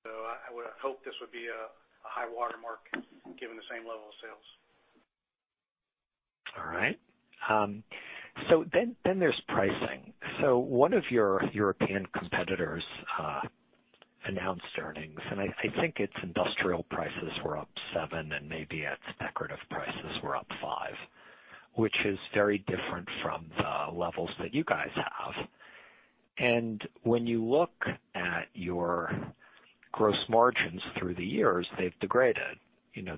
I would hope this would be a high water mark given the same level of sales. All right. Then there's pricing. One of your European competitors announced earnings, and I think its industrial prices were up seven and maybe its decorative prices were up five, which is very different from the levels that you guys have. When you look at your gross margins through the years, they've degraded.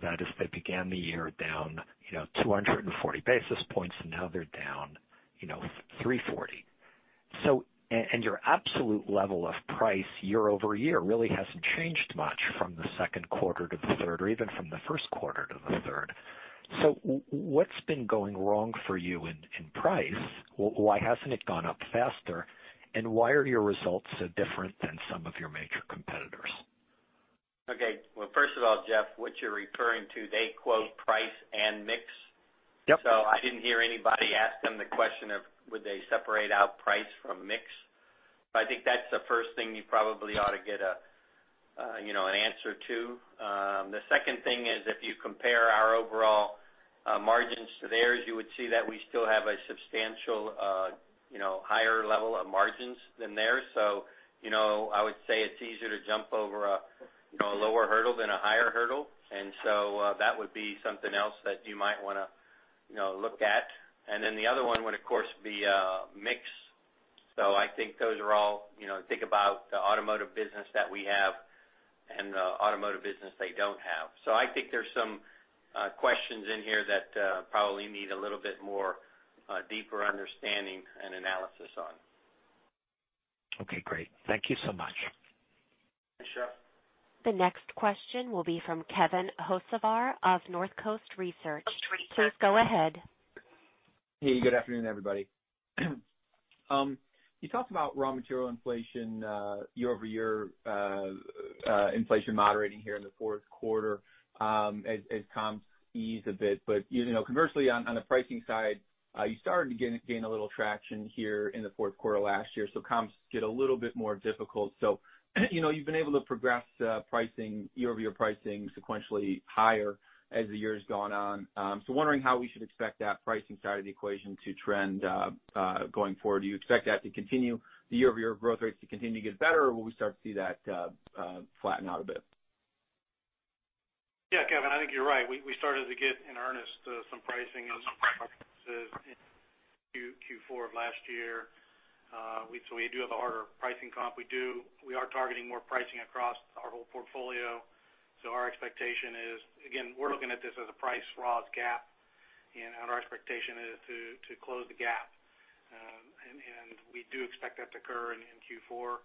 That is, they began the year down 240 basis points, and now they're down 340. Your absolute level of price year-over-year really hasn't changed much from the second quarter to the third, or even from the first quarter to the third. What's been going wrong for you in price? Why hasn't it gone up faster? Why are your results so different than some of your major competitors? Okay. Well, first of all, Jeff, what you're referring to, they quote price and mix. Yep. I didn't hear anybody ask them the question of would they separate out price from mix. I think that's the first thing you probably ought to get an answer to. The second thing is if you compare our overall margins to theirs, you would see that we still have a substantial higher level of margins than theirs. I would say it's easier to jump over a lower hurdle than a higher hurdle. That would be something else that you might want to look at. The other one would, of course, be mix. I think those are all. Think about the automotive business that we have and the automotive business they don't have. I think there's some questions in here that probably need a little bit more deeper understanding and analysis on. Okay, great. Thank you so much. Thanks, Jeff. The next question will be from Kevin Hocevar of Northcoast Research. Please go ahead. Hey, good afternoon, everybody. You talked about raw material inflation year-over-year, inflation moderating here in the fourth quarter as comps ease a bit. Conversely, on the pricing side, you started to gain a little traction here in the fourth quarter last year. Comps get a little bit more difficult. You've been able to progress year-over-year pricing sequentially higher as the year has gone on. Wondering how we should expect that pricing side of the equation to trend going forward. Do you expect that to continue, the year-over-year growth rates to continue to get better, or will we start to see that flatten out a bit? I think you're right. We started to get, in earnest, some pricing in Q4 of last year. We do have a harder pricing comp. We are targeting more pricing across our whole portfolio. Our expectation is, again, we're looking at this as a price raw's gap, and our expectation is to close the gap. We do expect that to occur in Q4.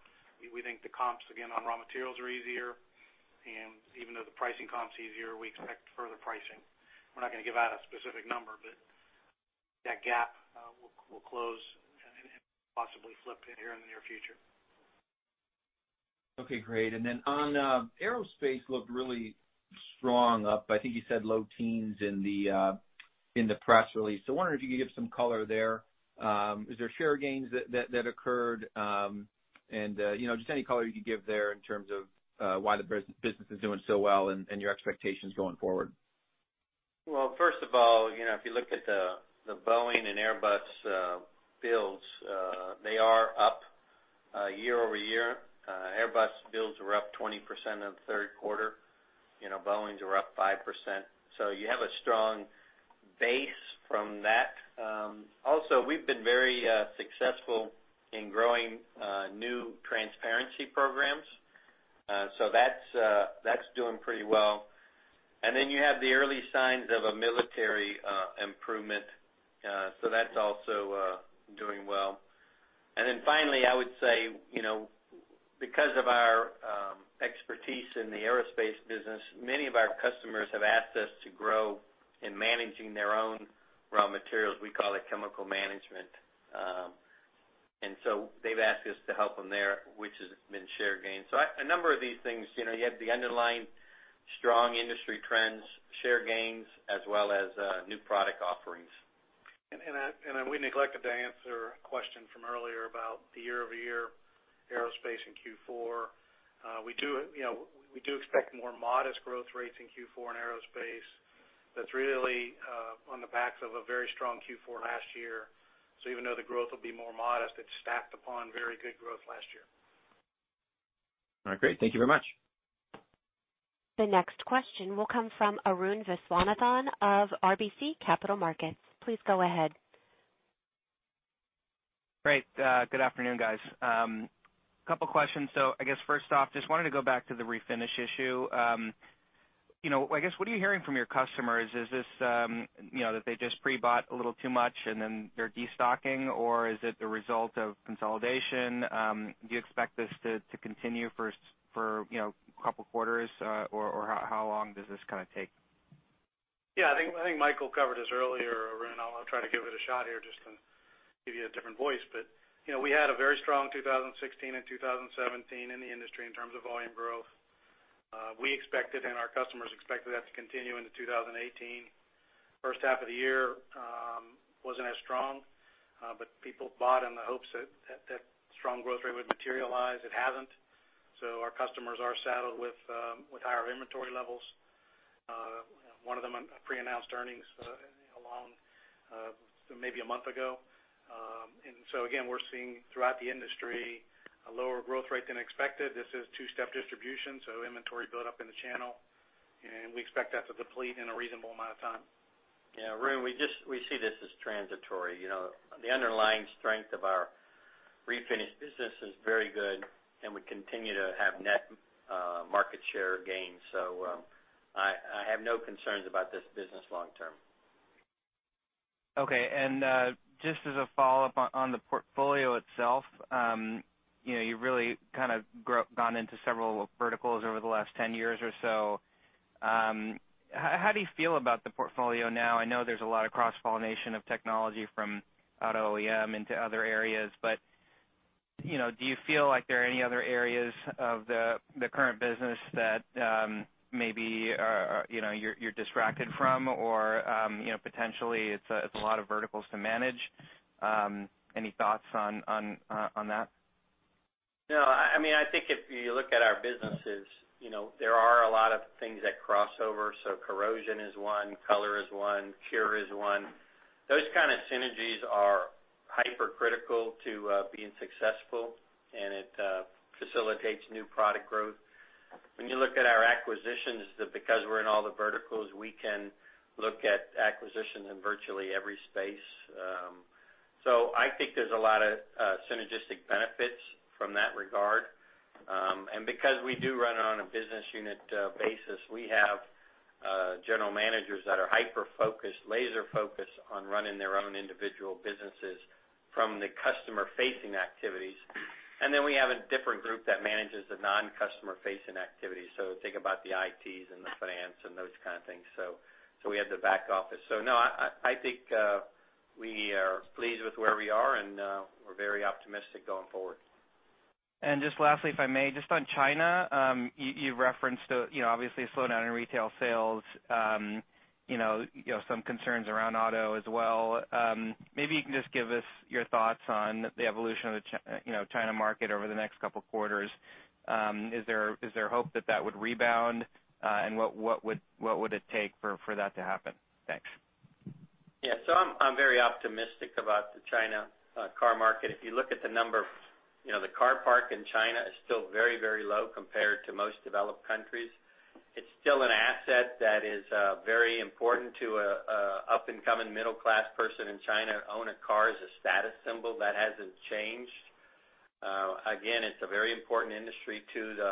We think the comps, again, on raw materials are easier. Even though the pricing comp's easier, we expect further pricing. We're not going to give out a specific number, but that gap will close and possibly flip here in the near future. Okay, great. Aerospace looked really strong, up, I think you said low teens in the press release. I wonder if you could give some color there. Is there share gains that occurred? Just any color you could give there in terms of why the business is doing so well and your expectations going forward. First of all, if you look at the Boeing and Airbus builds, they are up year-over-year. Airbus builds were up 20% in the third quarter. Boeing's were up 5%. You have a strong base from that. We've been very successful in growing new transparency programs. That's doing pretty well. You have the early signs of a military improvement. That's also doing well. Finally, I would say, because of our expertise in the Aerospace business, many of our customers have asked us to grow in managing their own raw materials. We call it chemical management. They've asked us to help them there, which has been share gains. A number of these things, you have the underlying strong industry trends, share gains, as well as new product offerings. We neglected to answer a question from earlier about the year-over-year Aerospace in Q4. We do expect more modest growth rates in Q4 in Aerospace. That's really on the backs of a very strong Q4 last year. Even though the growth will be more modest, it's stacked upon very good growth last year. All right, great. Thank you very much. The next question will come from Arun Viswanathan of RBC Capital Markets. Please go ahead. Great. Good afternoon, guys. Couple questions. I guess first off, just wanted to go back to the Refinish issue. I guess, what are you hearing from your customers? Is this that they just pre-bought a little too much and then they're destocking, or is it the result of consolidation? Do you expect this to continue for a couple of quarters? Or how long does this take? Yeah, I think Michael covered this earlier, Arun. I'll try to give it a shot here just to give you a different voice. We had a very strong 2016 and 2017 in the industry in terms of volume growth. We expected, and our customers expected that to continue into 2018. First half of the year wasn't as strong, but people bought in the hopes that strong growth rate would materialize. It hasn't. Our customers are saddled with higher inventory levels. One of them pre-announced earnings along maybe one month ago. Again, we're seeing throughout the industry a lower growth rate than expected. This is two-step distribution, inventory build up in the channel, and we expect that to deplete in a reasonable amount of time. Yeah, Arun, we see this as transitory. The underlying strength of our Refinish business is very good, and we continue to have net market share gains. I have no concerns about this business long term. Okay. Just as a follow-up on the portfolio itself. You've really gone into several verticals over the last 10 years or so. How do you feel about the portfolio now? I know there's a lot of cross-pollination of technology from auto OEM into other areas, do you feel like there are any other areas of the current business that maybe you're distracted from or potentially it's a lot of verticals to manage? Any thoughts on that? I think if you look at our businesses, there are a lot of things that cross over. Corrosion is one, color is one, cure is one. Those kind of synergies are hypercritical to being successful, and it facilitates new product growth. When you look at our acquisitions, because we're in all the verticals, we can look at acquisitions in virtually every space. I think there's a lot of synergistic benefits from that regard. Because we do run it on a business unit basis, we have general managers that are hyper-focused, laser-focused on running their own individual businesses from the customer-facing activities. Then we have a different group that manages the non-customer-facing activities. Think about the ITs and the finance and those kind of things. We have the back office. I think we are pleased with where we are, and we're very optimistic going forward. Just lastly, if I may, just on China. You referenced, obviously, a slowdown in retail sales. Some concerns around auto as well. Maybe you can just give us your thoughts on the evolution of the China market over the next couple of quarters. Is there hope that that would rebound? What would it take for that to happen? Thanks. I'm very optimistic about the China car market. If you look at the number, the car park in China is still very, very low compared to most developed countries. It's still an asset that is very important to an up-and-coming middle-class person in China. To own a car is a status symbol. That hasn't changed. Again, it's a very important industry to the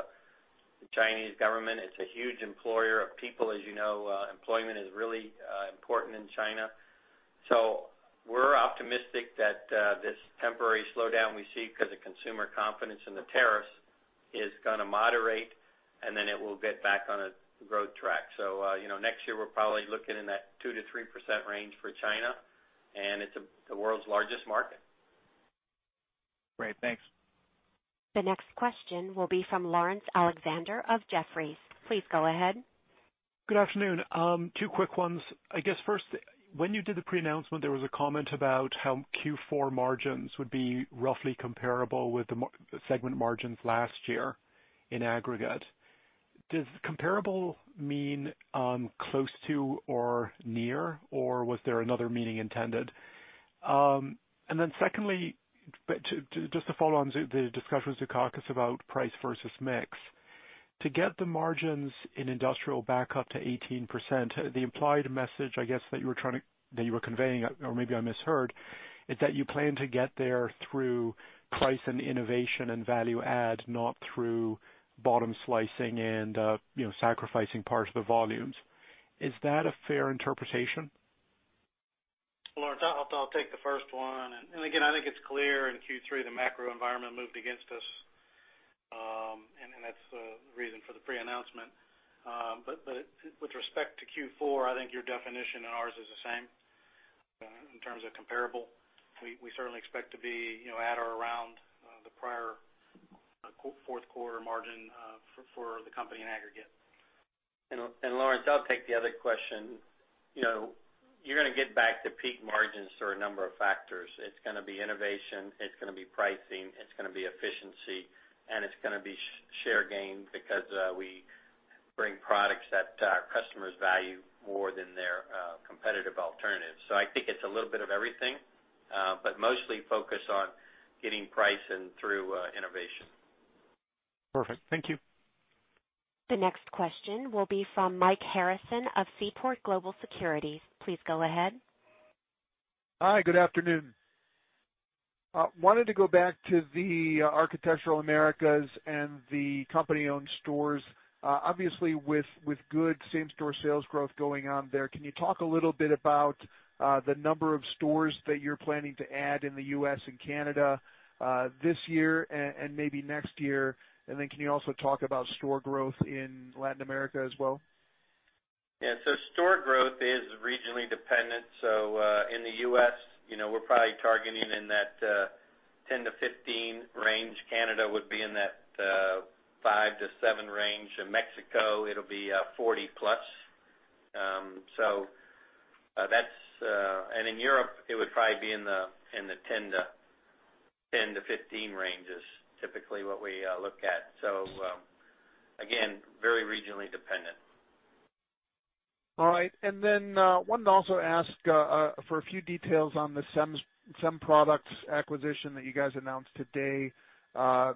Chinese government. It's a huge employer of people. As you know, employment is really important in China. We're optimistic that this temporary slowdown we see because of consumer confidence in the tariffs is going to moderate, then it will get back on a growth track. Next year we're probably looking in that 2%-3% range for China, and it's the world's largest market. Great. Thanks. The next question will be from Laurence Alexander of Jefferies. Please go ahead. Good afternoon. Two quick ones. I guess first, when you did the pre-announcement, there was a comment about how Q4 margins would be roughly comparable with the segment margins last year in aggregate. Does comparable mean close to or near, or was there another meaning intended? Secondly, just to follow on the discussion with Zekauskas about price versus mix. To get the margins in Industrial back up to 18%, the implied message, I guess, that you were conveying, or maybe I misheard, is that you plan to get there through price and innovation and value add, not through bottom slicing and sacrificing parts of the volumes. Is that a fair interpretation? Laurence, I'll take the first one. Again, I think it's clear in Q3, the macro environment moved against us. That's the reason for the pre-announcement. With respect to Q4, I think your definition and ours is the same in terms of comparable. We certainly expect to be at or around the prior fourth quarter margin for the company in aggregate. Laurence, I'll take the other question. You're going to get back to peak margins for a number of factors. It's going to be innovation, it's going to be pricing, it's going to be efficiency, and it's going to be share gain because we bring products that our customers value more than their competitive alternatives. I think it's a little bit of everything, but mostly focused on getting price in through innovation. Perfect. Thank you. The next question will be from Michael Harrison of Seaport Global Securities. Please go ahead. Hi, good afternoon. Wanted to go back to the Architectural Americas and the company-owned stores. Obviously, with good same-store sales growth going on there, can you talk a little bit about the number of stores that you're planning to add in the U.S. and Canada this year and maybe next year? Then can you also talk about store growth in Latin America as well? Store growth is regionally dependent. In the U.S., we're probably targeting in that 10 to 15 range. Canada would be in that 5 to 7 range, Mexico, it'll be 40-plus. In Europe, it would probably be in the 10 to 15 ranges, typically what we look at. Again, very regionally dependent. All right. Then wanted to also ask for a few details on the SEM Products acquisition that you guys announced today.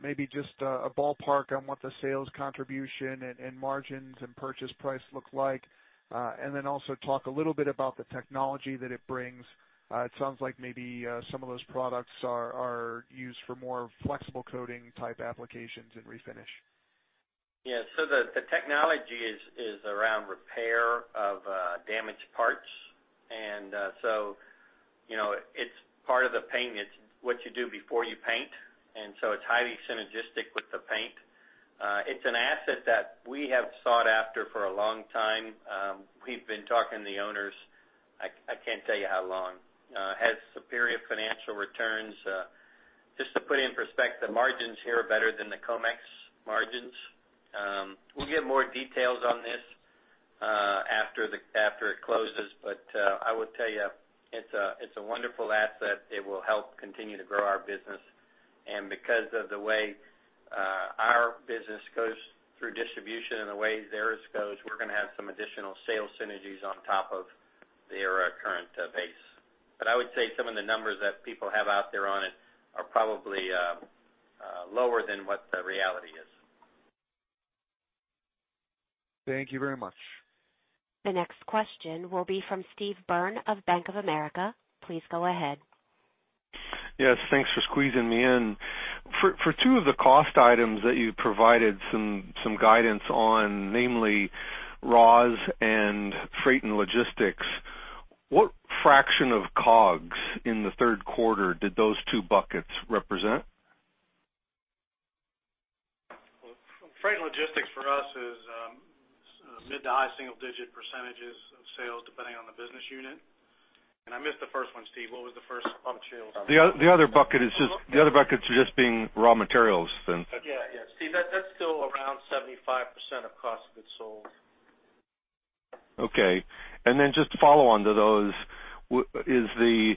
Maybe just a ballpark on what the sales contribution and margins and purchase price look like. Then also talk a little bit about the technology that it brings. It sounds like maybe some of those products are used for more flexible coating-type applications and refinish. The technology is around repair of damaged parts. It's part of the paint. It's what you do before you paint. It's highly synergistic with the paint. It's an asset that we have sought after for a long time. We've been talking to the owners, I can't tell you how long. Has superior financial returns. Just to put it in perspective, margins here are better than the Comex margins. We'll give more details on this after it closes, I will tell you, it's a wonderful asset. It will help continue to grow our business. Because of the way our business goes through distribution and the way theirs goes, we're going to have some additional sales synergies on top of their current base. I would say some of the numbers that people have out there on it are probably lower than what the reality is. Thank you very much. The next question will be from Steve Byrne of Bank of America. Please go ahead. Yes. Thanks for squeezing me in. For two of the cost items that you provided some guidance on, namely raws and freight and logistics, what fraction of COGS in the third quarter did those two buckets represent? Freight logistics for us is mid to high single-digit percentages of sales, depending on the business unit. I missed the first one, Steve. What was the first one? The other bucket is just being raw materials then. Yeah. Steve, that's still around 75% of cost of goods sold. Okay. Just to follow on to those, is the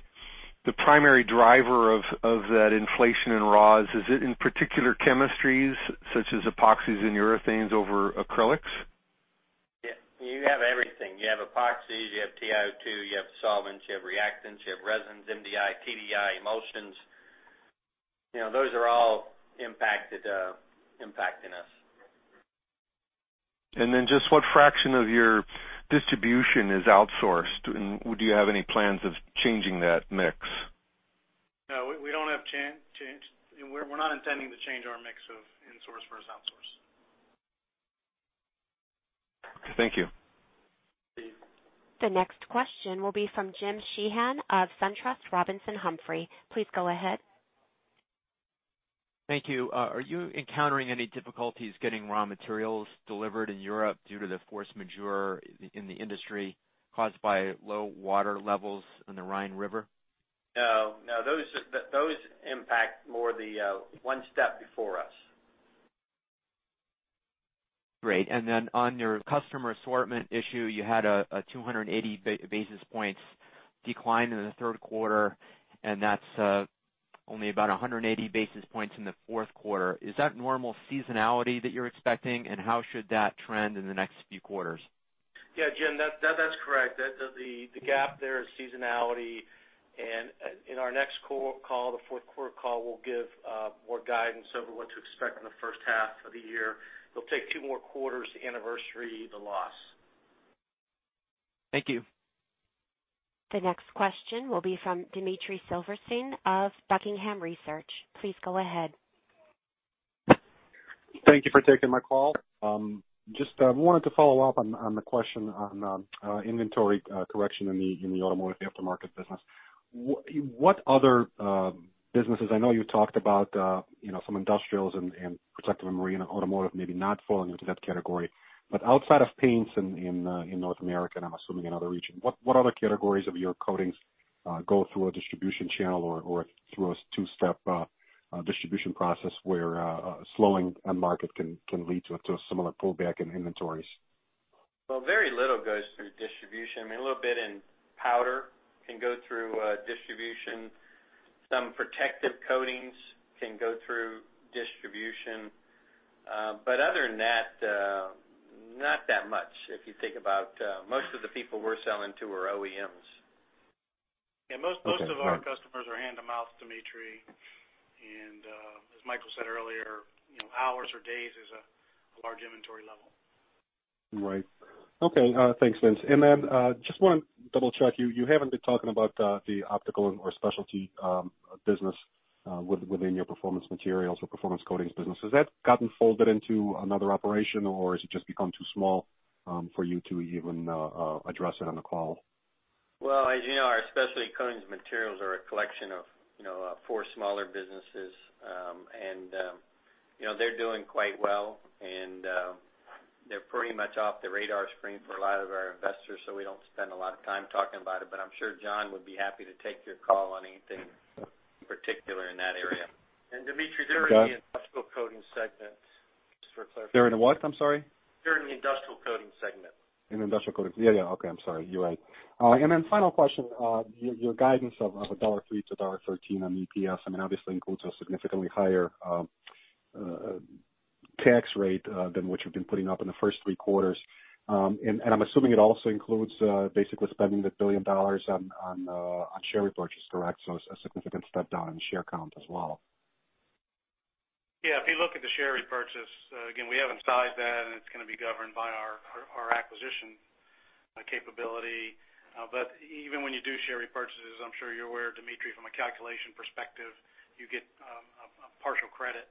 primary driver of that inflation in raws, is it in particular chemistries such as epoxies and urethanes over acrylics? Yeah. You have everything. You have epoxies, you have TiO2, you have solvents, you have reactants, you have resins, MDI, TDI, emulsions. Those are all impacting us. Just what fraction of your distribution is outsourced? Do you have any plans of changing that mix? No, we're not intending to change our mix of insource versus outsource. Okay. Thank you. Steve. The next question will be from James Sheehan of SunTrust Robinson Humphrey. Please go ahead. Thank you. Are you encountering any difficulties getting raw materials delivered in Europe due to the force majeure in the industry caused by low water levels in the Rhine River? No. Those impact more the one step before us. Then on your customer assortment issue, you had a 280 basis points decline in the third quarter, and that's only about 180 basis points in the fourth quarter. Is that normal seasonality that you're expecting, and how should that trend in the next few quarters? Yeah, Jim, that's correct. The gap there is seasonality, and in our next call, the fourth quarter call, we'll give more guidance over what to expect in the first half of the year. It'll take two more quarters to anniversary the loss. Thank you. The next question will be from Dmitry Silversteyn of Buckingham Research. Please go ahead. Thank you for taking my call. Wanted to follow up on the question on inventory correction in the automotive aftermarket business. I know you talked about some industrials and protective and marine, and automotive maybe not falling into that category, outside of paints in North America, and I'm assuming in other regions, what other categories of your coatings go through a distribution channel or through a two-step distribution process where slowing end market can lead to a similar pullback in inventories? Well, very little goes through distribution. I mean, a little bit in powder can go through distribution. Some protective coatings can go through distribution. Other than that, not that much. If you think about, most of the people we're selling to are OEMs. Yeah, most of our customers are hand-to-mouth, Dmitry. As Michael said earlier, hours or days is a large inventory level. Right. Okay. Thanks, Vince. Just want to double-check, you haven't been talking about the optical or specialty business within your performance materials or performance coatings business. Has that gotten folded into another operation, or has it just become too small for you to even address it on the call? Well, as you know, our specialty coatings materials are a collection of four smaller businesses. They're doing quite well, and they're pretty much off the radar screen for a lot of our investors, so we don't spend a lot of time talking about it. I'm sure John would be happy to take your call on anything particular in that area. Dmitry, they're in the industrial coating segment, just for clarification. They're in the what? I'm sorry. They're in the industrial coatings segment. In industrial coatings. Yeah. Okay. I'm sorry. You're right. Final question, your guidance of $1.03-$1.13 on EPS, I mean, obviously includes a significantly higher tax rate than what you've been putting up in the first three quarters. I'm assuming it also includes basically spending the $1 billion on share repurchase, correct? A significant step down in share count as well. Yeah, if you look at the share repurchase, again, we haven't sized that, and it's going to be governed by our acquisition capability. Even when you do share repurchases, I'm sure you're aware, Dmitry, from a calculation perspective, you get a partial credit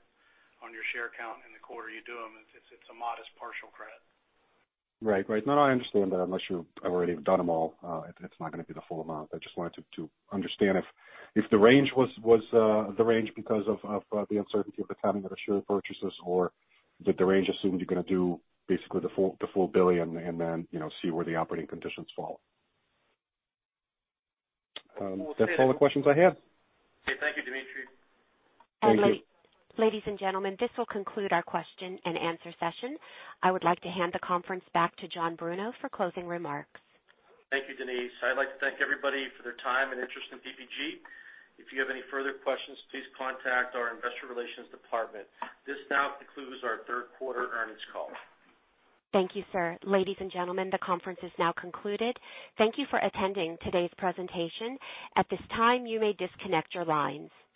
on your share count in the quarter you do them. It's a modest partial credit. Right. No, I understand that unless you've already done them all, it's not going to be the full amount. I just wanted to understand if the range was the range because of the uncertainty of the timing of the share purchases, or did the range assume you're going to do basically the full $1 billion and then see where the operating conditions fall. That's all the questions I had. Okay. Thank you, Dmitry. Thank you. Ladies and gentlemen, this will conclude our question and answer session. I would like to hand the conference back to John Bruno for closing remarks. Thank you, Denise. I'd like to thank everybody for their time and interest in PPG. If you have any further questions, please contact our investor relations department. This now concludes our third quarter earnings call. Thank you, sir. Ladies and gentlemen, the conference is now concluded. Thank you for attending today's presentation. At this time, you may disconnect your lines.